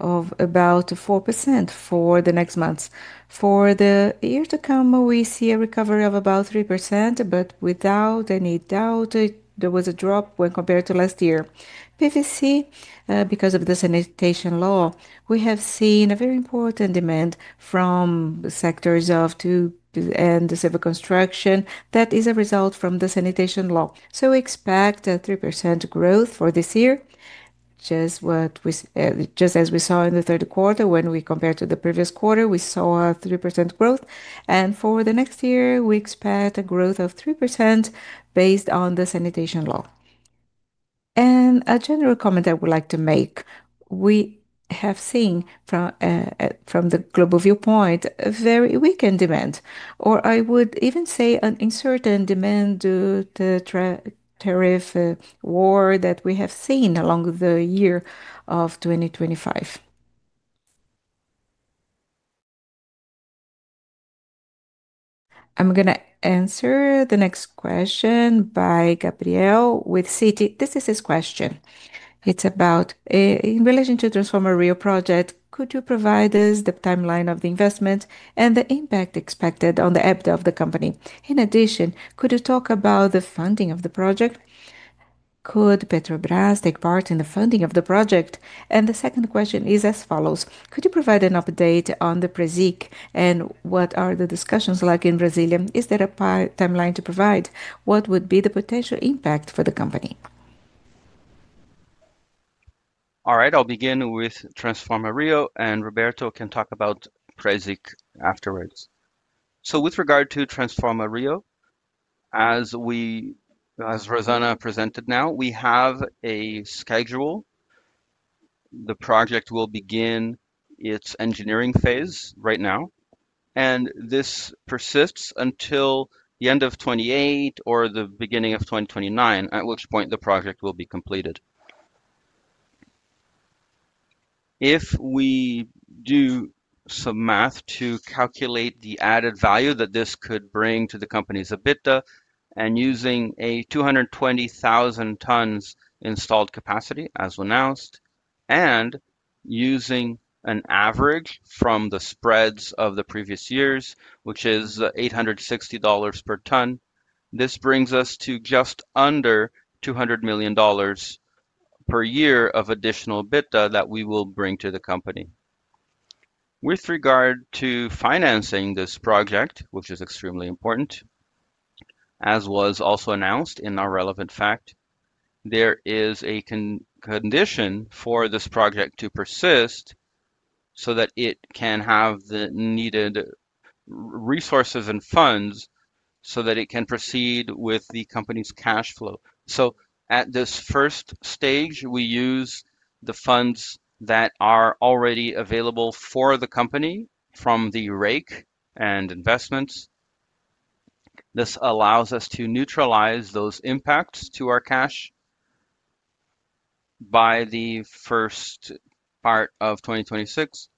of about 4%, for the next months. For the year to come, we see a recovery of about 3%, but without any doubt, there was a drop when compared to last year. PVC, because of the sanitation law, we have seen a very important demand from sectors of two and the civil construction that is a result from the sanitation law. We expect a 3%, growth for this year, just as we saw in the third quarter. When we compared to the previous quarter, we saw a 3%, growth. For the next year, we expect a growth of 3% based on the sanitation law. A general comment I would like to make. We have seen from the global viewpoint a very weakened demand, or I would even say an uncertain demand due to the tariff war that we have seen along the year of 2025. I'm going to answer the next question by Gabriel with Citi. This is his question. It's about, in relation to the Transform Rio, project, could you provide us the timeline of the investment and the impact expected on the EBITDA, of the company? In addition, could you talk about the funding of the project? Could Petrobras, take part in the funding of the project? The second question is as follows. Could you provide an update on the PRESIC, and what are the discussions like in Brazil? Is there a timeline to provide? What would be the potential impact for the company? All right, I'll begin with Transform Rio, and Roberto, can talk about PRESIC, afterwards. With regard to Transform Rio, as Rosana, presented now, we have a schedule. The project will begin its engineering phase right now, and this persists until the end of 2028, or the beginning of 2029, at which point the project will be completed. If we do some math to calculate the added value that this could bring to the company's EBITDA, and using a 220,000 tons, installed capacity, as announced, and using an average from the spreads of the previous years, which is $860 per ton, this brings us to just under $200 million, per year of additional EBITDA, that we will bring to the company. With regard to financing this project, which is extremely important, as was also announced in our relevant fact, there is a condition for this project to persist so that it can have the needed resources and funds so that it can proceed with the company's cash flow. At this first stage, we use the funds that are already available for the company from the rake and investments. This allows us to neutralize those impacts to our cash by the first part of 2026.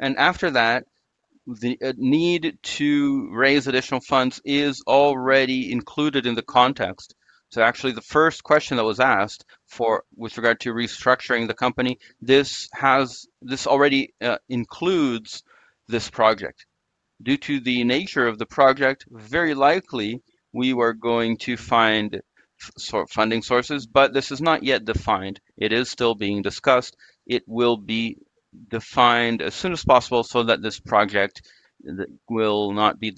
After that, the need to raise additional funds is already included in the context. Actually, the first question that was asked with regard to restructuring the company, this already includes this project. Due to the nature of the project, very likely we are going to find funding sources, but this is not yet defined. It is still being discussed. It will be defined as soon as possible so that this project will not be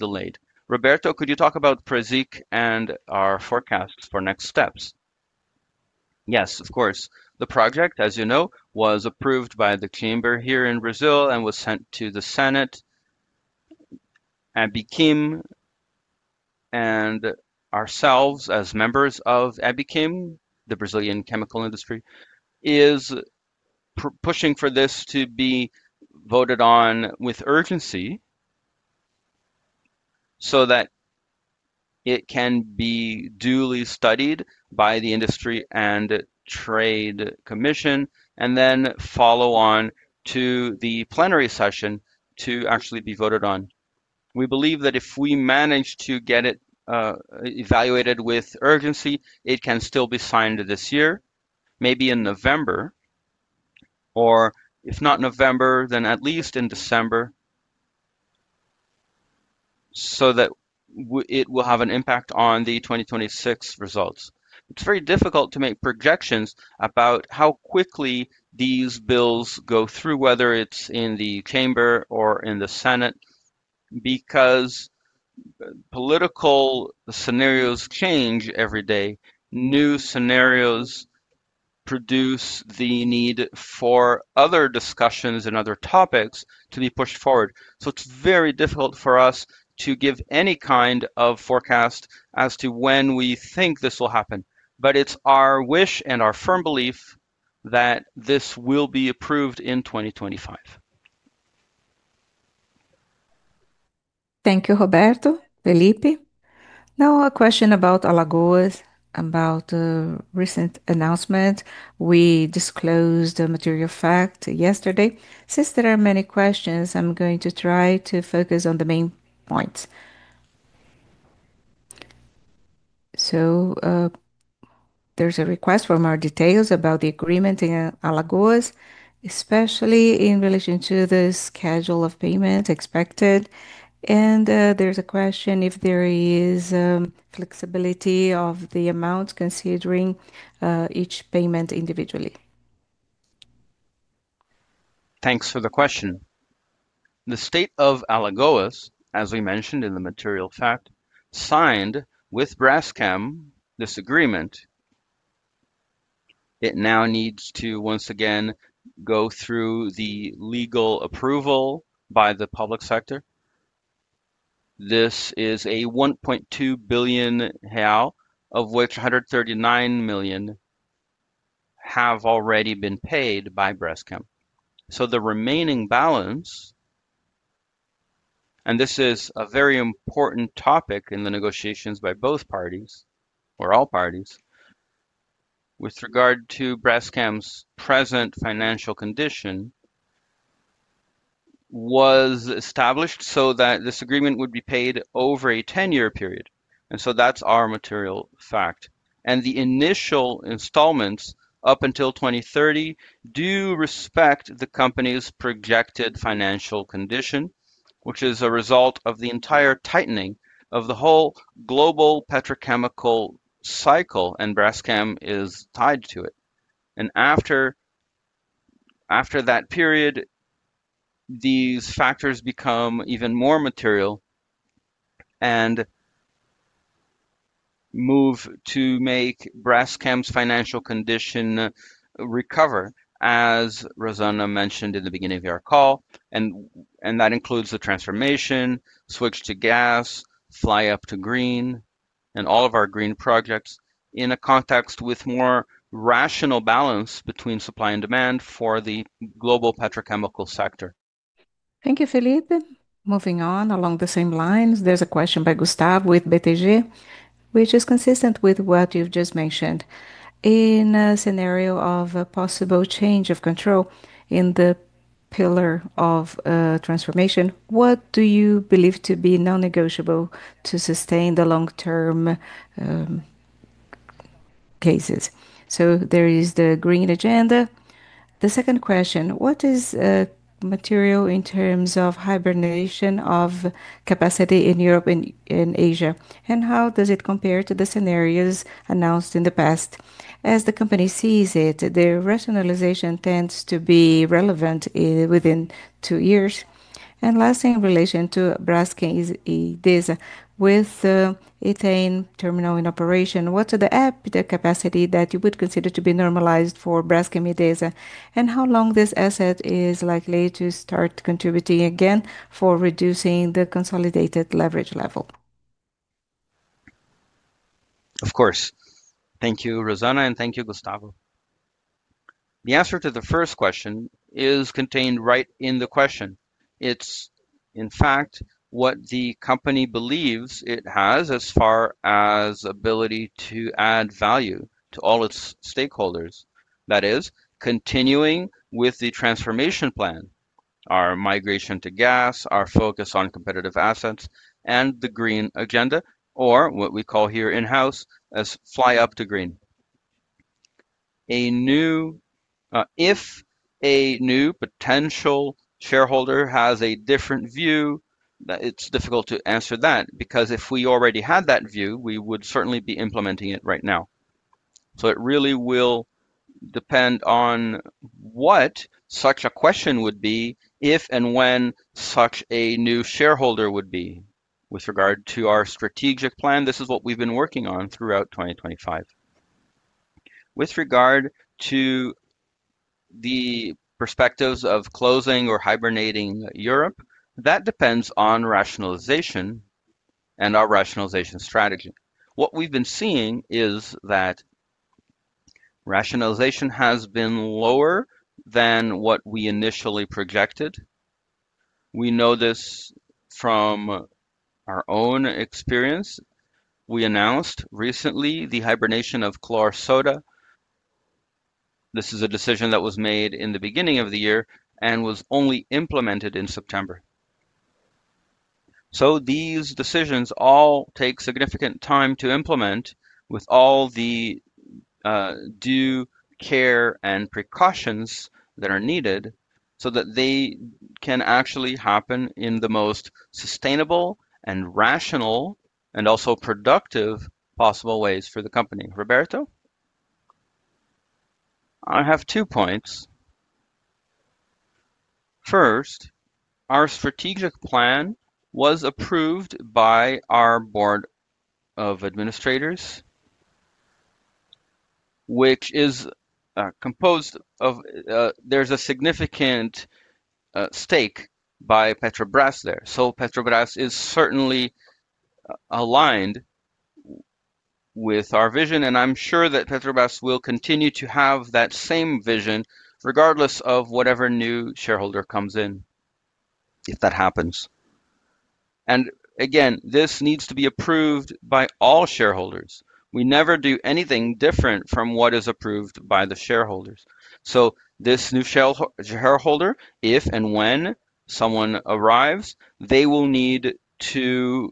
delayed. Roberto, could you talk about PRESIC, and our forecasts for next steps? Yes, of course. The project, as you know, was approved by the chamber here in Brazil, and was sent to the Senate. Abiquim and ourselves as members of Abiquim, the Brazilian, chemical industry, is pushing for this to be voted on with urgency so that it can be duly studied by the Industry and Trade Commission, and then follow on to the plenary session to actually be voted on. We believe that if we manage to get it evaluated with urgency, it can still be signed this year, maybe in November, or if not November, then at least in December, so that it will have an impact on the 2026 results. It's very difficult to make projections about how quickly these bills go through, whether it's in the chamber or in the Senate, because political scenarios change every day. New scenarios produce the need for other discussions and other topics to be pushed forward. It is very difficult for us to give any kind of forecast as to when we think this will happen, but it is our wish and our firm belief that this will be approved in 2025. Thank you, Roberto. Felipe, now a question about Alagoas, about the recent announcement. We disclosed the material fact yesterday. Since there are many questions, I am going to try to focus on the main points. There is a request for more details about the agreement in Alagoas, especially in relation to the schedule of payments expected. There is a question if there is flexibility of the amounts considering each payment individually. Thanks for the question. The state of Alagoas, as we mentioned in the material fact, signed with Braskem, this agreement. It now needs to once again go through the legal approval by the public sector. This is a 1.2 billion hail, of which 139 million, have already been paid by Braskem. The remaining balance, and this is a very important topic in the negotiations by both parties or all parties, with regard to Braskem's present financial condition, was established so that this agreement would be paid over a 10-year period. That is our material fact. The initial installments up until 2030, do respect the company's projected financial condition, which is a result of the entire tightening of the whole global petrochemical cycle, and Braskem, is tied to it. After that period, these factors become even more material and move to make Braskem's, financial condition recover, as Rosana, mentioned in the beginning of our call. That includes the transformation, switch to gas, fly up to green, and all of our green projects in a context with more rational balance between supply and demand for the global petrochemical sector. Thank you, Felipe. Moving on along the same lines, there is a question by Gustavo, with BTG, which is consistent with what you have just mentioned. In a scenario of a possible change of control in the pillar of transformation, what do you believe to be non-negotiable to sustain the long-term cases? There is the green agenda. The second question, what is material in terms of hibernation of capacity in Europe and Asia? How does it compare to the scenarios announced in the past? As the company sees it, the rationalization tends to be relevant within two years. Last thing in relation to Braskem Idesa, with its terminal in operation, what's the EBITDA, capacity that you would consider to be normalized for Braskem Idesa? How long is this asset likely to start contributing again for reducing the consolidated leverage level? Of course. Thank you, Rosana, and thank you, Gustavo. The answer to the first question is contained right in the question. It's, in fact, what the company believes it has as far as ability to add value to all its stakeholders. That is, continuing with the transformation plan, our migration to gas, our focus on competitive assets, and the green agenda, or what we call here in-house as fly up to green. If a new potential shareholder has a different view, it's difficult to answer that because if we already had that view, we would certainly be implementing it right now. It really will depend on what such a question would be if and when such a new shareholder would be. With regard to our strategic plan, this is what we've been working on throughout 2025. With regard to the perspectives of closing or hibernating Europe, that depends on rationalization and our rationalization strategy. What we've been seeing is that rationalization has been lower than what we initially projected. We know this from our own experience. We announced recently the hibernation, of chlor soda. This is a decision that was made in the beginning of the year and was only implemented in September. These decisions all take significant time to implement with all the due care and precautions that are needed so that they can actually happen in the most sustainable and rational and also productive possible ways for the company. Roberto, I have two points. First, our strategic plan was approved by our board of administrators, which is composed of, there's a significant stake by Petrobras, there. Petrobras, is certainly aligned with our vision, and I'm sure that Petrobras, will continue to have that same vision regardless of whatever new shareholder comes in, if that happens. Again, this needs to be approved by all shareholders. We never do anything different from what is approved by the shareholders. This new shareholder, if and when someone arrives, they will need to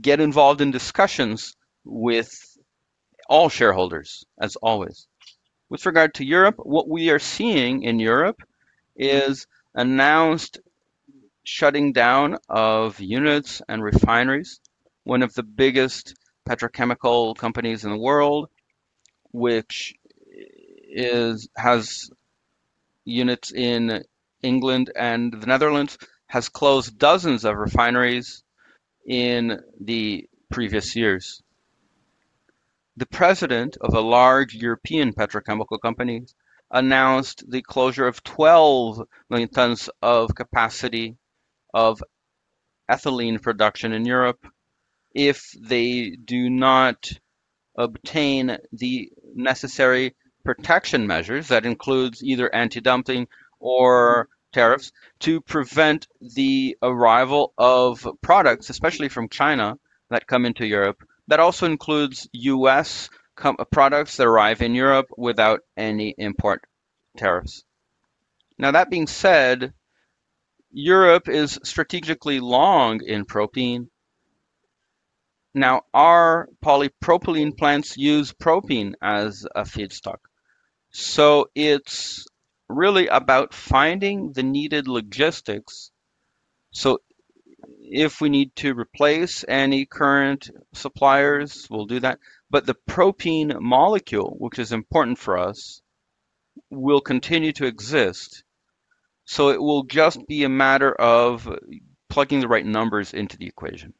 get involved in discussions with all shareholders, as always. With regard to Europe, what we are seeing in Europe, is announced shutting down of units and refineries. One of the biggest petrochemical, companies in the world, which has units in England, and the Netherlands, has closed dozens of refineries in the previous years. The President of a large European petrochemical company, announced the closure of 12 million tons, of capacity of ethylene production in Europe, if they do not obtain the necessary protection measures that include either anti-dumping or tariffs to prevent the arrival of products, especially from China, that come into Europe. That also includes U.S. products that arrive in Europe, without any import tariffs. That being said, Europe, is strategically long in propane. Our polypropylene, plants use propane as a feedstock. It is really about finding the needed logistics. If we need to replace any current suppliers, we will do that. The propane molecule, which is important for us, will continue to exist. It will just be a matter of plugging the right numbers into the equation.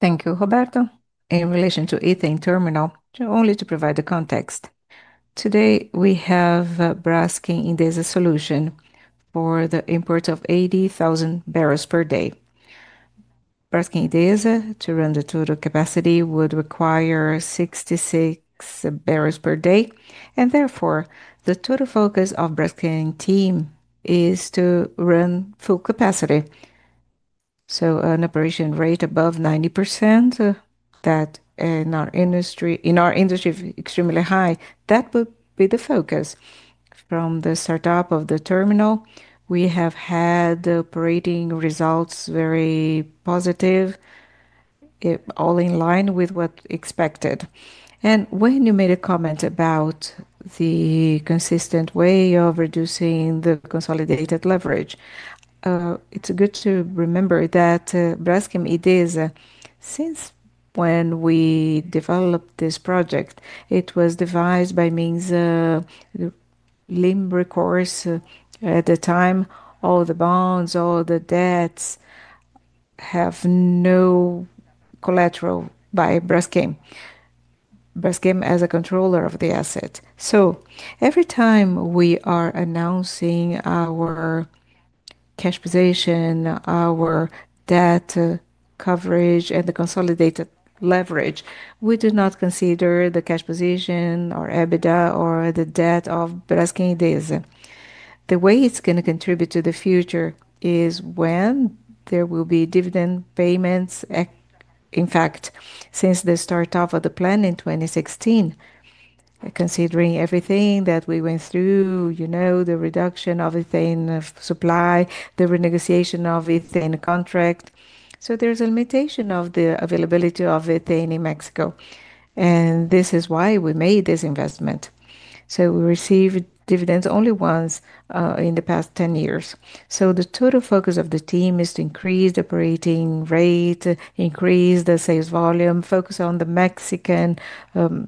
Thank you, Roberto. In relation to ethane terminal, only to provide the context. Today, we have Braskem Idesa solution for the import of 80,000 barrels per day. Braskem Idesa, to run the total capacity, would require 66,000 barrels per day. Therefore, the total focus of the Braskem, team is to run full capacity. An operation rate above 90%, that in our industry, extremely high, that would be the focus. From the startup of the terminal, we have had operating results very positive, all in line with what expected. When you made a comment about the consistent way of reducing the consolidated leverage, it's good to remember that Braskem Idesa, since when we developed this project, it was devised by means of limber course at the time. All the bonds, all the debts have no collateral by Braskem, Braskem, as a controller of the asset. Every time we are announcing our cash position, our debt coverage, and the consolidated leverage, we do not consider the cash position or EBITDA or the debt of Braskem Idesa. The way it is going to contribute to the future is when there will be dividend payments. In fact, since the startup of the plant in 2016, considering everything that we went through, you know, the reduction of ethane supply, the renegotiation of the ethane contract. There is a limitation of the availability of ethane in Mexico. This is why we made this investment. We received dividends only once in the past 10 years. The total focus of the team is to increase the operating rate, increase the sales volume, focus on the Mexican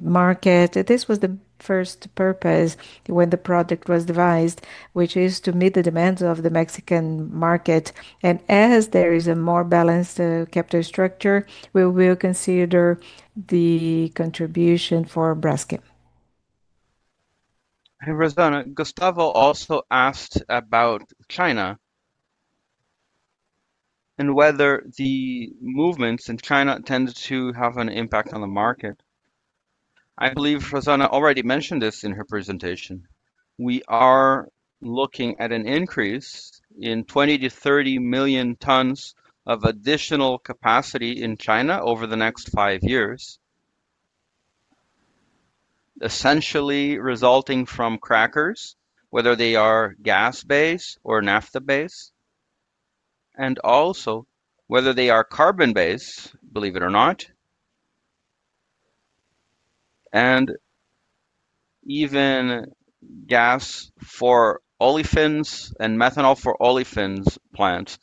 market. This was the first purpose when the project was devised, which is to meet the demands of the Mexican market. As there is a more balanced capital structure, we will consider the contribution for Braskem. Rosana, Gustavo, also asked about China, and whether the movements in China, tend to have an impact on the market. I believe Rosana, already mentioned this in her presentation. We are looking at an increase in 20-30 million tons, of additional capacity in China, over the next five years, essentially resulting from crackers, whether they are gas-based or naphtha-based, and also whether they are carbon-based, believe it or not, and even gas for olefins, and methanol for olefins plants.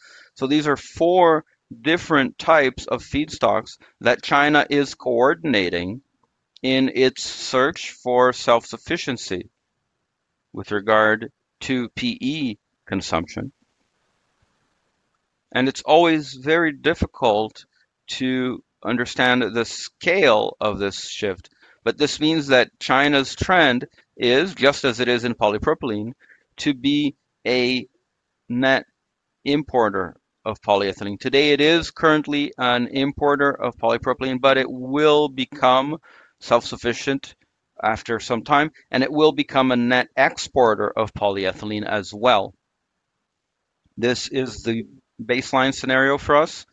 These are four different types of feedstocks that China is coordinating in its search for self-sufficiency with regard to PE, consumption. It's always very difficult to understand the scale of this shift, but this means that China's, trend is, just as it is in polypropylene, to be a net importer of polyethylene. Today, it is currently an importer of polypropylene, but it will become self-sufficient, after some time, and it will become a net exporter of polyethylene as well. This is the baseline scenario for us,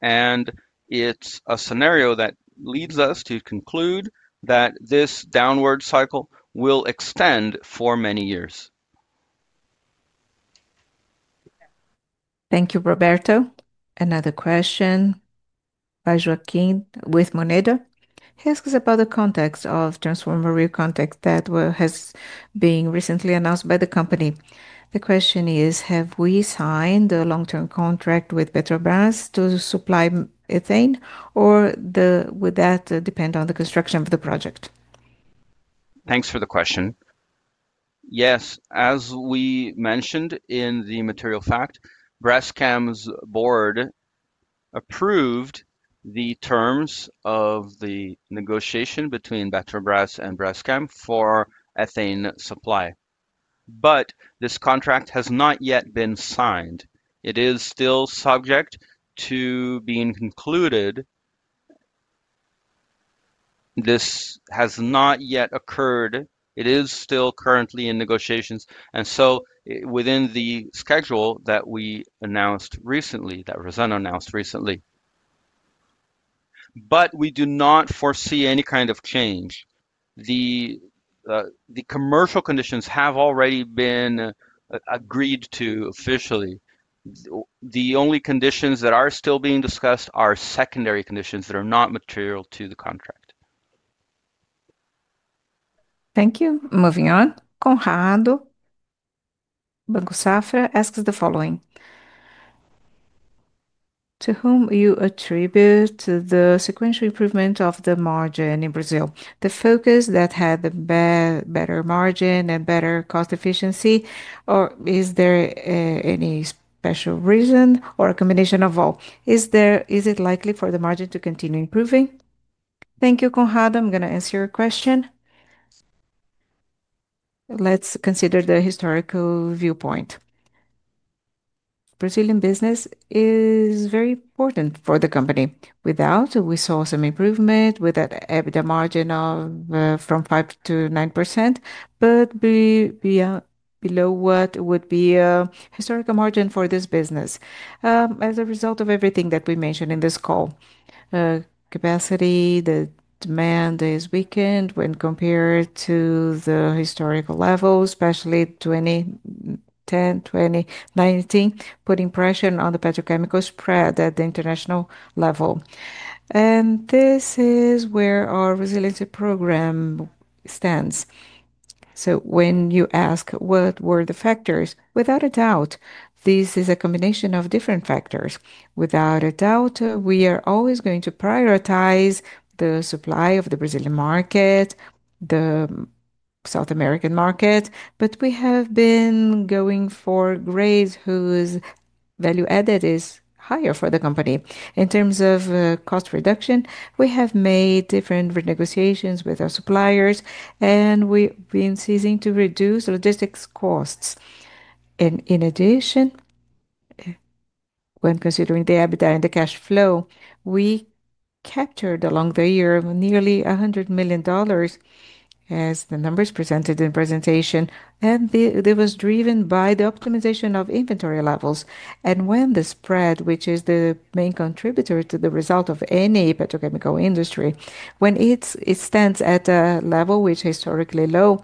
and it's a scenario that leads us to conclude that this downward cycle will extend for many years. Thank you, Roberto. Another question by Joaquin, with Monedo. He asks about the context of transformative context that has been recently announced by the company. The question is, have we signed a long-term contract with Petrobras, to supply ethane, or would that depend on the construction of the project? Thanks for the question. Yes, as we mentioned in the material fact, Braskem's board approved the terms of the negotiation between Petrobras and Braskem, for ethane supply. This contract has not yet been signed. It is still subject to being concluded. This has not yet occurred. It is still currently in negotiations. Within the schedule that we announced recently, that Rosana, announced recently, we do not foresee any kind of change. The commercial conditions have already been agreed to officially. The only conditions that are still being discussed are secondary conditions that are not material to the contract. Thank you. Moving on, Conrado Bagosafra, asks the following. To whom do you attribute the sequential improvement of the margin in Brazil? The focus that had the better margin and better cost efficiency, or is there any special reason or a combination of all? Is it likely for the margin to continue improving? Thank you, Conrado. I'm going to answer your question. Let's consider the historical viewpoint. Brazilian, business is very important for the company. Without, we saw some improvement with the margin of from 5% to 9%, but below what would be a historical margin, for this business. As a result of everything that we mentioned in this call, capacity, the demand is weakened when compared to the historical level, especially 2010, 2019, putting pressure on the petrochemical spread at the international level. This is where our resiliency program stands. When you ask what were the factors, without a doubt, this is a combination of different factors. Without a doubt, we are always going to prioritize the supply of the Brazilian market, the South American market, but we have been going for grades whose value added is higher for the company. In terms of cost reduction, we have made different renegotiations with our suppliers, and we've been seizing to reduce logistics costs. In addition, when considering the EBITDA, and the cash flow, we captured along the year nearly $100 million, as the numbers presented in presentation, and it was driven by the optimization of inventory levels. When the spread, which is the main contributor to the result of any petrochemical industry, when it stands at a level which is historically low,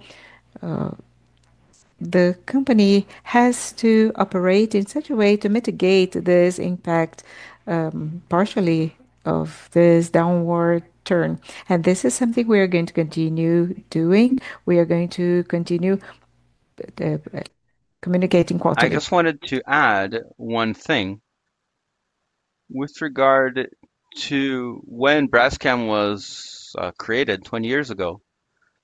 the company has to operate in such a way to mitigate this impact partially of this downward turn. This is something we are going to continue doing. We are going to continue communicating quality. I just wanted to add one thing with regard to when Braskem, was created 20 years ago.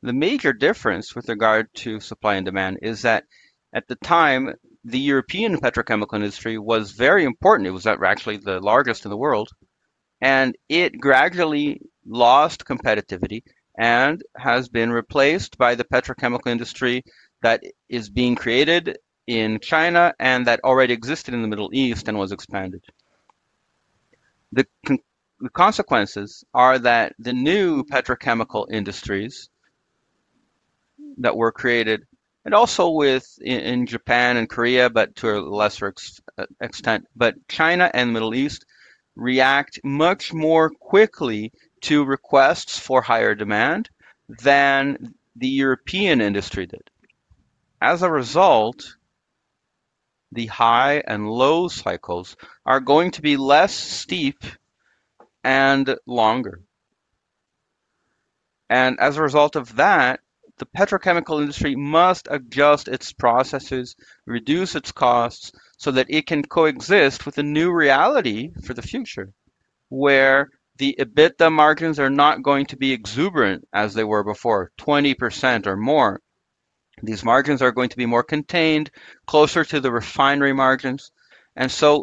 The major difference with regard to supply and demand is that at the time, the European, petrochemical industry was very important. It was actually the largest in the world, and it gradually lost competitivity and has been replaced by the petrochemical industry that is being created in China, and that already existed in the Middle East, and was expanded. The consequences are that the new petrochemical industries that were created, and also within Japan and Korea, but to a lesser extent, but China, and the Middle East react much more quickly to requests for higher demand than the European, industry did. As a result, the high and low cycles are going to be less steep and longer. As a result of that, the petrochemical industry must adjust its processes, reduce its costs so that it can coexist with a new reality for the future where the EBITDA margins, are not going to be exuberant as they were before, 20%, or more. These margins are going to be more contained, closer to the refinery margins.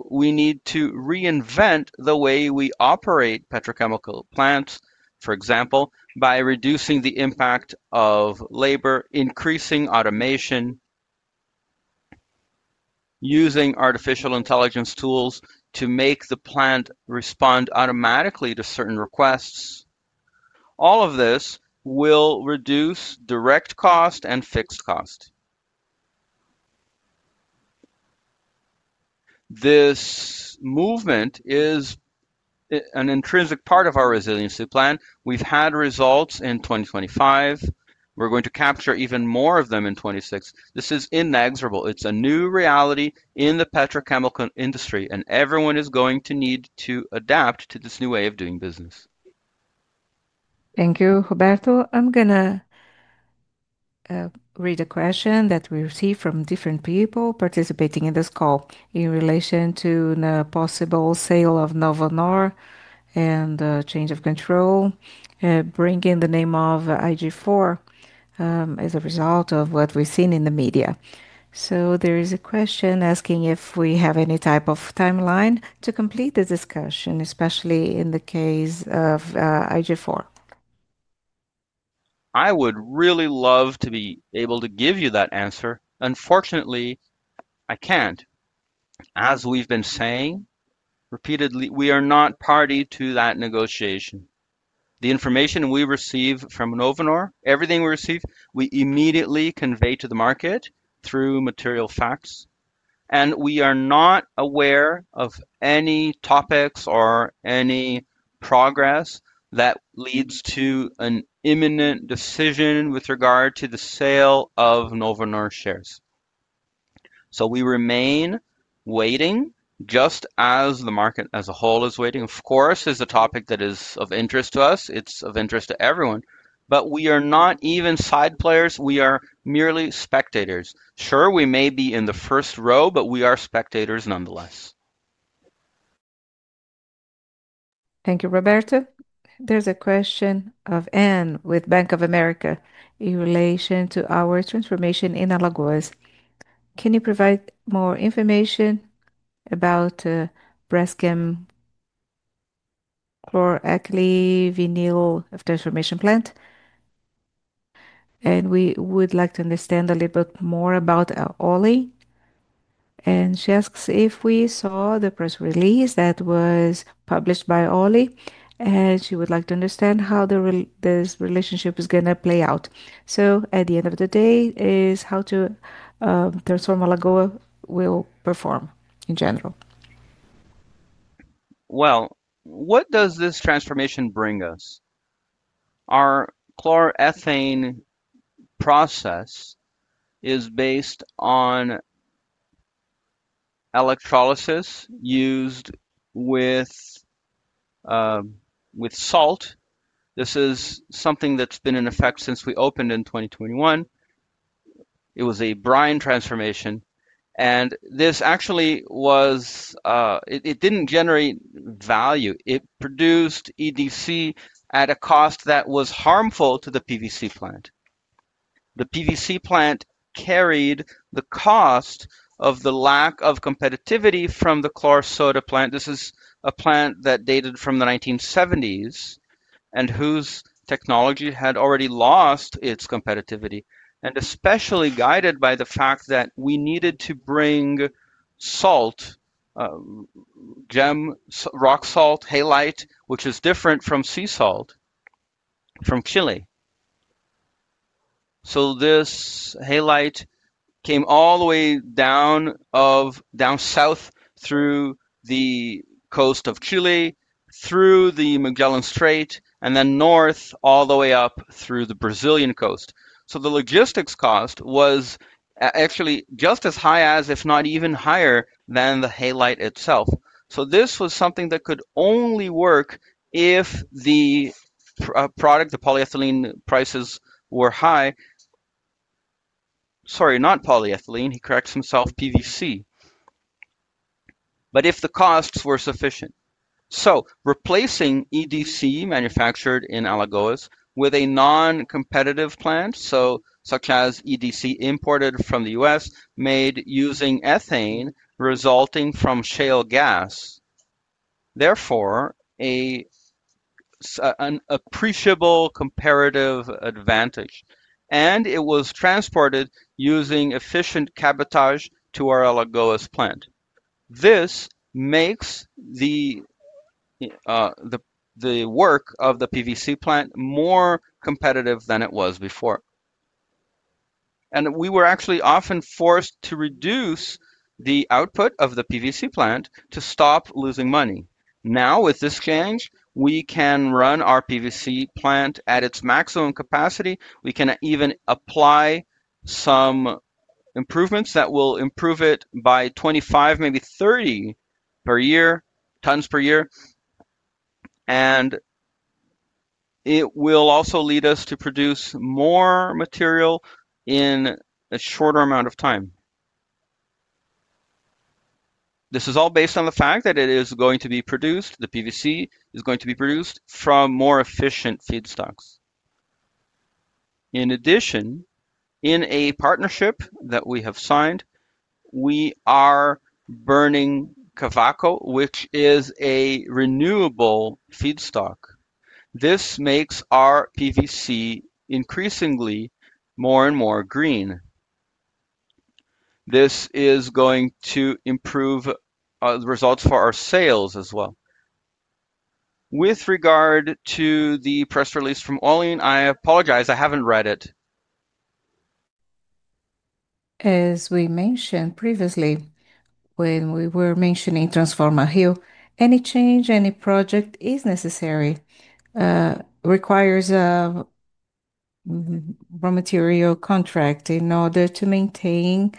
We need to reinvent the way we operate petrochemical plants, for example, by reducing the impact of labor, increasing automation, using artificial intelligence tools to make the plant respond automatically to certain requests. All of this will reduce direct cost and fixed cost. This movement is an intrinsic part of our resiliency plan. We've had results in 2025. We're going to capture even more of them in 2026. This is inexorable. It's a new reality in the petrochemical industry, and everyone is going to need to adapt to this new way of doing business. Thank you, Roberto. I'm going to read a question that we receive from different people participating in this call in relation to the possible sale of Novonor and change of control, bringing the name of IG4, as a result of what we've seen in the media. There is a question asking if we have any type of timeline to complete the discussion, especially in the case of IG4. I would really love to be able to give you that answer. Unfortunately, I can't. As we've been saying repeatedly, we are not party to that negotiation. The information we receive from Novonor, everything we receive, we immediately convey to the market through material facts. We are not aware of any topics or any progress that leads to an imminent decision with regard to the sale of Novonor shares. We remain waiting, just as the market as a whole is waiting. Of course, it is a topic that is of interest to us. It is of interest to everyone. We are not even side players. We are merely spectators. Sure, we may be in the first row, but we are spectators nonetheless. Thank you, Roberto. There is a question from Anne, with BofA, Securities, in relation to our transformation in Alagoas. Can you provide more information about Braskem, chloroalkylene vinyl, transformation plant? We would like to understand a little bit more about Olin. She asks if we saw the press release that was published by Olin, and she would like to understand how this relationship is going to play out. At the end of the day, it's how Transform Alagoas, will perform in general. What does this transformation bring us? Our chloroethane process, is based on electrolysis, used with salt. This is something that's been in effect since we opened in 2021. It was a brine transformation. This actually was, it didn't generate value. It produced EDC, at a cost that was harmful to the PVC plant. The PVC plant, carried the cost of the lack of competitivity from the chlorosoda plant. This is a plant that dated from the 1970s and whose technology, had already lost its competitivity, and especially guided by the fact that we needed to bring salt, gem rock salt, halite, which is different from sea salt from Chile. This halite came all the way down south through the coast of Chile, through the Magellan Strait, and then north all the way up through the Brazilian coast. The logistics cost was actually just as high as, if not even higher than, the halite itself. This was something that could only work if the product, the polyethylene, prices were high. Sorry, not polyethylene. He corrects himself, PVC. If the costs were sufficient. Replacing EDC, manufactured in Alagoas, with a non-competitive plant, such as EDC, imported from the US, made using ethane resulting from shale gas, therefore an appreciable comparative advantage. It was transported using efficient cabotage to our Alagoas plant. This makes the work of the PVC, plant more competitive than it was before. We were actually often forced to reduce the output of the PVC, plant to stop losing money. Now, with this change, we can run our PVC, plant at its maximum capacity. We can even apply some improvements that will improve it by 25, maybe 30 tons, per year. It will also lead us to produce more material in a shorter amount of time. This is all based on the fact that it is going to be produced, the PVC, is going to be produced from more efficient feedstocks. In addition, in a partnership that we have signed, we are burning Kavako, which is a renewable feedstock. This makes our PVC, increasingly more and more green. This is going to improve the results for our sales as well. With regard to the press release from Olin, I apologize. I have not read it. As we mentioned previously, when we were mentioning Transform Alagoas, any change, any project is necessary, requires a raw material contract in order to maintain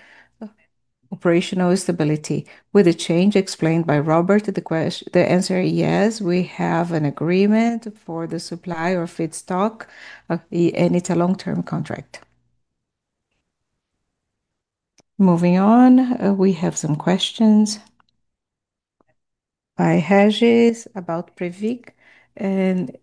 operational stability. With the change explained by Roberto, the answer is yes, we have an agreement for the supply or feedstock, and it's a long-term contract. Moving on, we have some questions by Regis, about Previc. And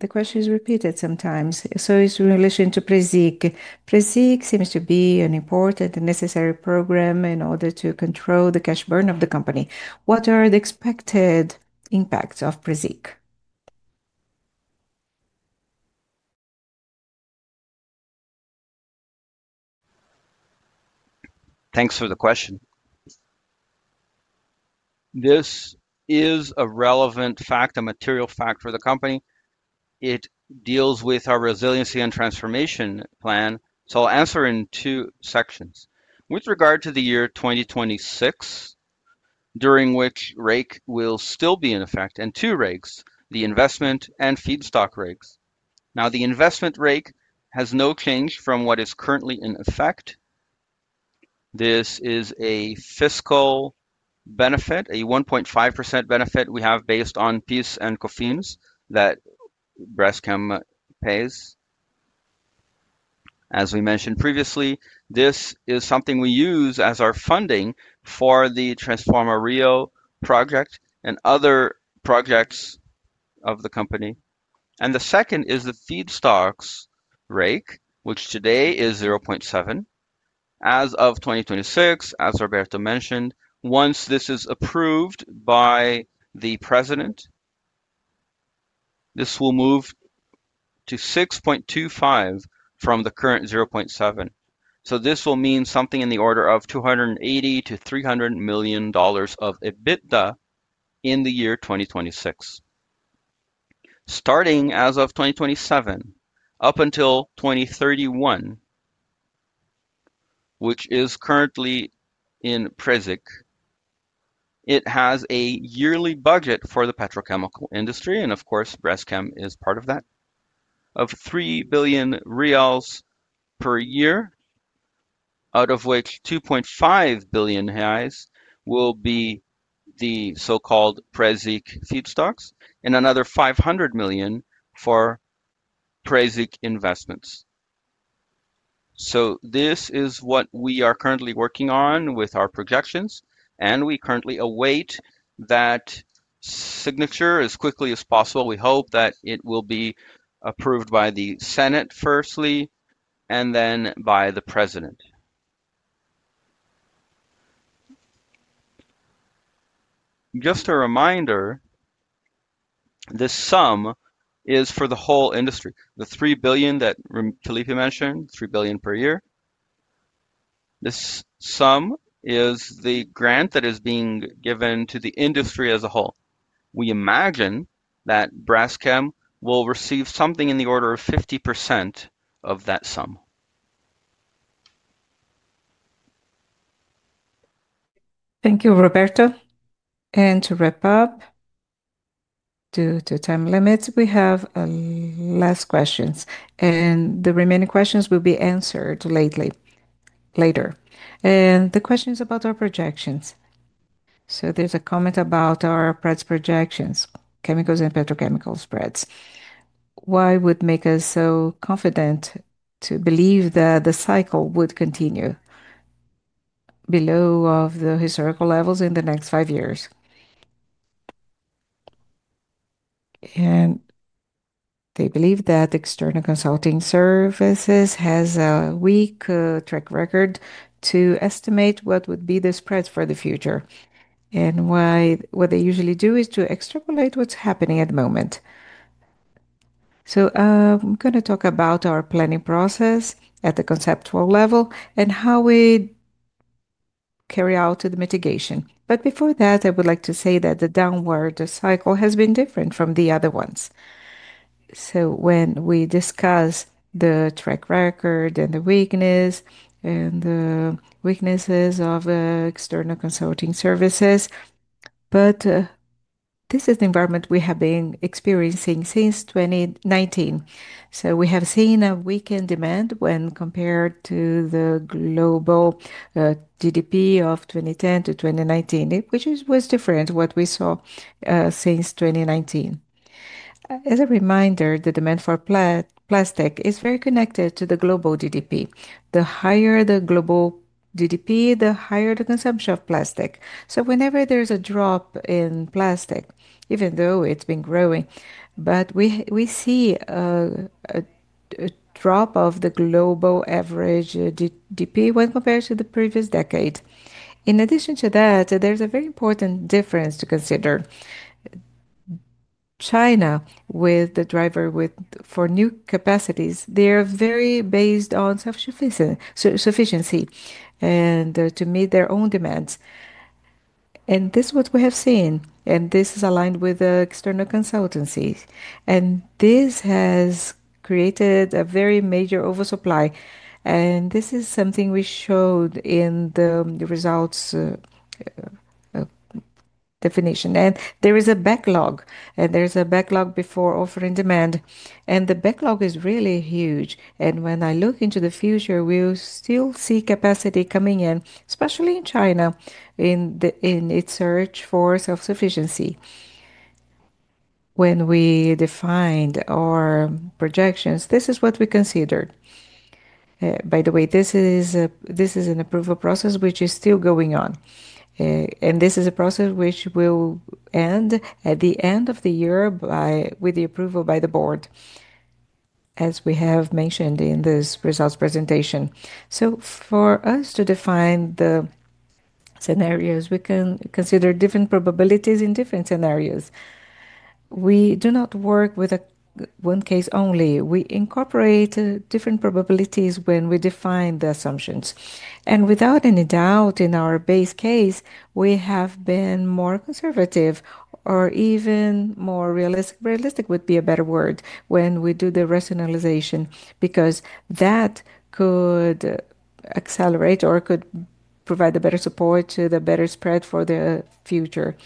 the question is repeated sometimes. It is in relation to Previc. Previc, seems to be an important and necessary program in order to control the cash burn of the company. What are the expected impacts of Previc? Thanks for the question. This is a relevant fact, a material fact for the company. It deals with our resiliency and transformation plan. I'll answer in two sections. With regard to the year 2026, during which REIC, will still be in effect, and two REICs, the investment and feedstock REICs. Now, the investment REIC, has no change from what is currently in effect. This is a fiscal benefit, a 1.5%, benefit we have based on PIS and COFINS, that Braskem pays. As we mentioned previously, this is something we use as our funding for the Transform Alagoas, project and other projects of the company. The second, is the feedstocks REIC, which today is 0.7%. As of 2026, as Roberto, mentioned, once this is approved by the president, this will move to 6.25%, from the current 0.7%. This will mean something in the order of $280 million-$300 million, of EBITDA, in the year 2026. Starting as of 2027, up until 2031, which is currently in Previc, it has a yearly budget for the petrochemical industry, and of course, Braskem, is part of that, of 3 billion reais, per year, out of which 2.5 billion reais, will be the so-called Previc feedstocks, and another 500 million, for Previc investments. This is what we are currently working on with our projections, and we currently await that signature as quickly as possible. We hope that it will be approved by the Senate firstly and then by the president. Just a reminder, this sum is for the whole industry. The 3 billion, that Talip mentioned, 3 billion, per year. This sum is the grant that is being given to the industry as a whole. We imagine that Braskem, will receive something in the order of 50%, of that sum. Thank you, Roberto. To wrap up, due to time limits, we have last questions. The remaining questions will be answered later. The question is about our projections. There is a comment about our spreads projections, chemicals and petrochemical, spreads. Why would it make us so confident to believe that the cycle would continue below the historical levels in the next five years? They believe that the External Consulting Services, has a weak track record to estimate what would be the spreads for the future. What they usually do is to extrapolate what is happening at the moment. I am going to talk about our planning process at the conceptual level and how we carry out the mitigation. Before that, I would like to say that the downward cycle has been different from the other ones. When we discuss the track record and the weaknesses of External Consulting Services, this is the environment we have been experiencing since 2019. We have seen a weakened demand when compared to the global GDP, of 2010 to 2019, which was different from what we saw since 2019. As a reminder, the demand for plastic is very connected to the global GDP. The higher the global GDP, the higher the consumption of plastic. Whenever there is a drop in plastic, even though it has been growing, we see a drop of the global average GDP, when compared to the previous decade. In addition to that, there is a very important difference to consider. China, with the driver for new capacities, is very based on self-sufficiency and to meet their own demands. This is what we have seen. This is aligned with external consultancy. This has created a very major oversupply. This is something we showed in the results definition. There is a backlog. There is a backlog before offering demand. The backlog is really huge. When I look into the future, we will still see capacity coming in, especially in China, in its search for self-sufficiency. When we defined our projections, this is what we considered. By the way, this is an approval process which is still going on. This is a process which will end at the end of the year with the approval by the board, as we have mentioned in this results presentation. For us to define the scenarios, we can consider different probabilities in different scenarios. We do not work with one case only. We incorporate different probabilities when we define the assumptions. Without any doubt, in our base case, we have been more conservative or even more realistic would be a better word when we do the rationalization, because that could accelerate or could provide the better support to the better spread for the future.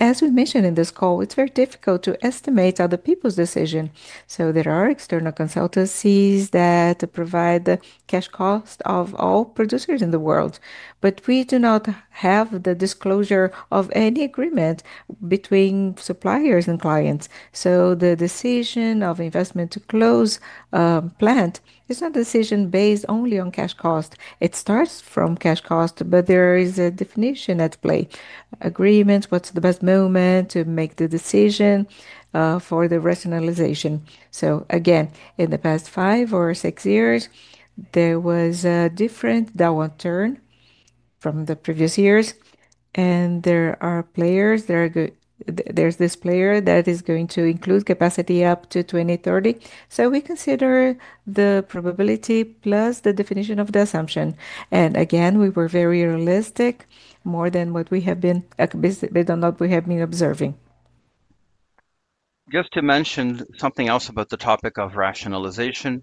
As we mentioned in this call, it's very difficult to estimate other people's decision. There are external consultancies that provide the cash cost of all producers in the world. We do not have the disclosure of any agreement between suppliers and clients. The decision of investment to close a plant is not a decision based only on cash cost. It starts from cash cost, but there is a definition at play. Agreement, what's the best moment to make the decision for the rationalization. Again, in the past five or six years, there was a different downward turn from the previous years. There are players. There's this player that is going to include capacity up to 2030. We consider the probability plus the definition of the assumption. Again, we were very realistic, more than what we have been, based on what we have been observing. Just to mention something else about the topic of rationalization.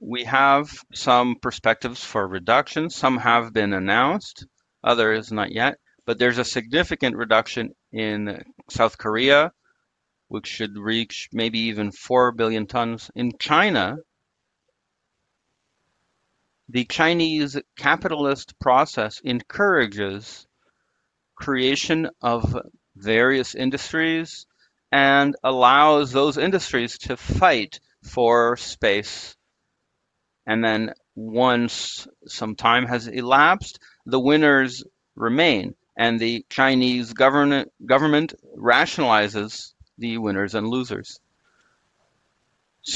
We have some perspectives for reduction. Some have been announced. Others not yet. There is a significant reduction in South Korea, which should reach maybe even 4 billion tons. In China, the Chinese capitalist process encourages creation of various industries and allows those industries to fight for space. Once some time has elapsed, the winners remain. The Chinese government rationalizes the winners and losers.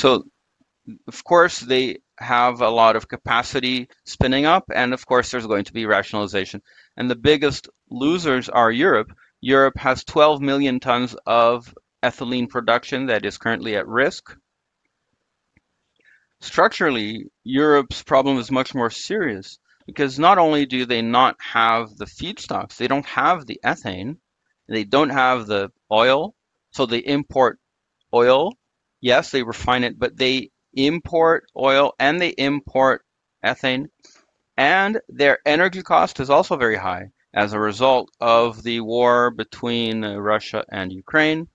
Of course, they have a lot of capacity spinning up. Of course, there is going to be rationalization. The biggest losers are Europe. Europe has 12 million tons, of ethylene production that is currently at risk. Structurally, Europe's, problem is much more serious because not only do they not have the feedstocks, they don't have the ethane. They don't have the oil. They import oil. Yes, they refine it, but they import oil, and they import ethane. Their energy cost is also very high as a result of the war between Russia and Ukraine,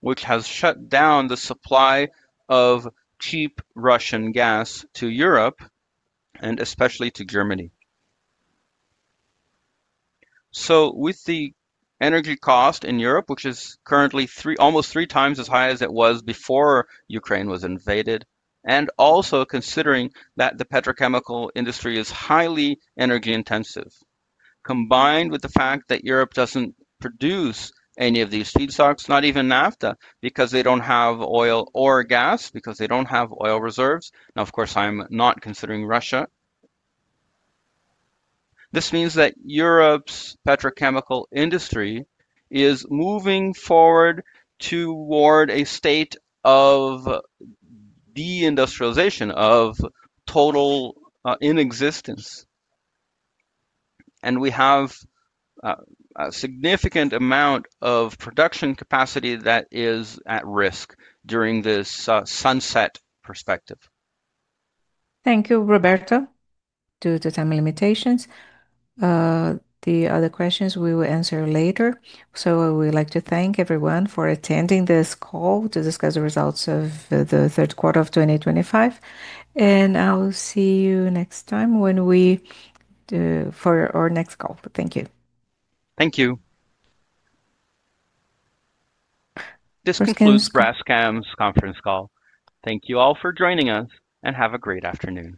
which has shut down the supply of cheap Russian, gas to Europe and especially to Germany. With the energy cost in Europe, which is currently almost three times as high as it was before Ukraine was invaded, and also considering that the petrochemical industry is highly energy intensive, combined with the fact that Europe, doesn't produce any of these feedstocks, not even naphtha, because they don't have oil or gas, because they don't have oil reserves. Now, of course, I'm not considering Russia. This means that Europe's, petrochemical industry, is moving forward toward a state of de-industrialization, of total inexistence. We have a significant amount of production capacity that is at risk during this sunset perspective. Thank you, Roberto. Due to time limitations, the other questions we will answer later. We would like to thank everyone for attending this call to discuss the results of the third quarter of 2025. I'll see you next time for our next call. Thank you. This concludes Braskem's conference call. Thank you all for joining us and have a great afternoon.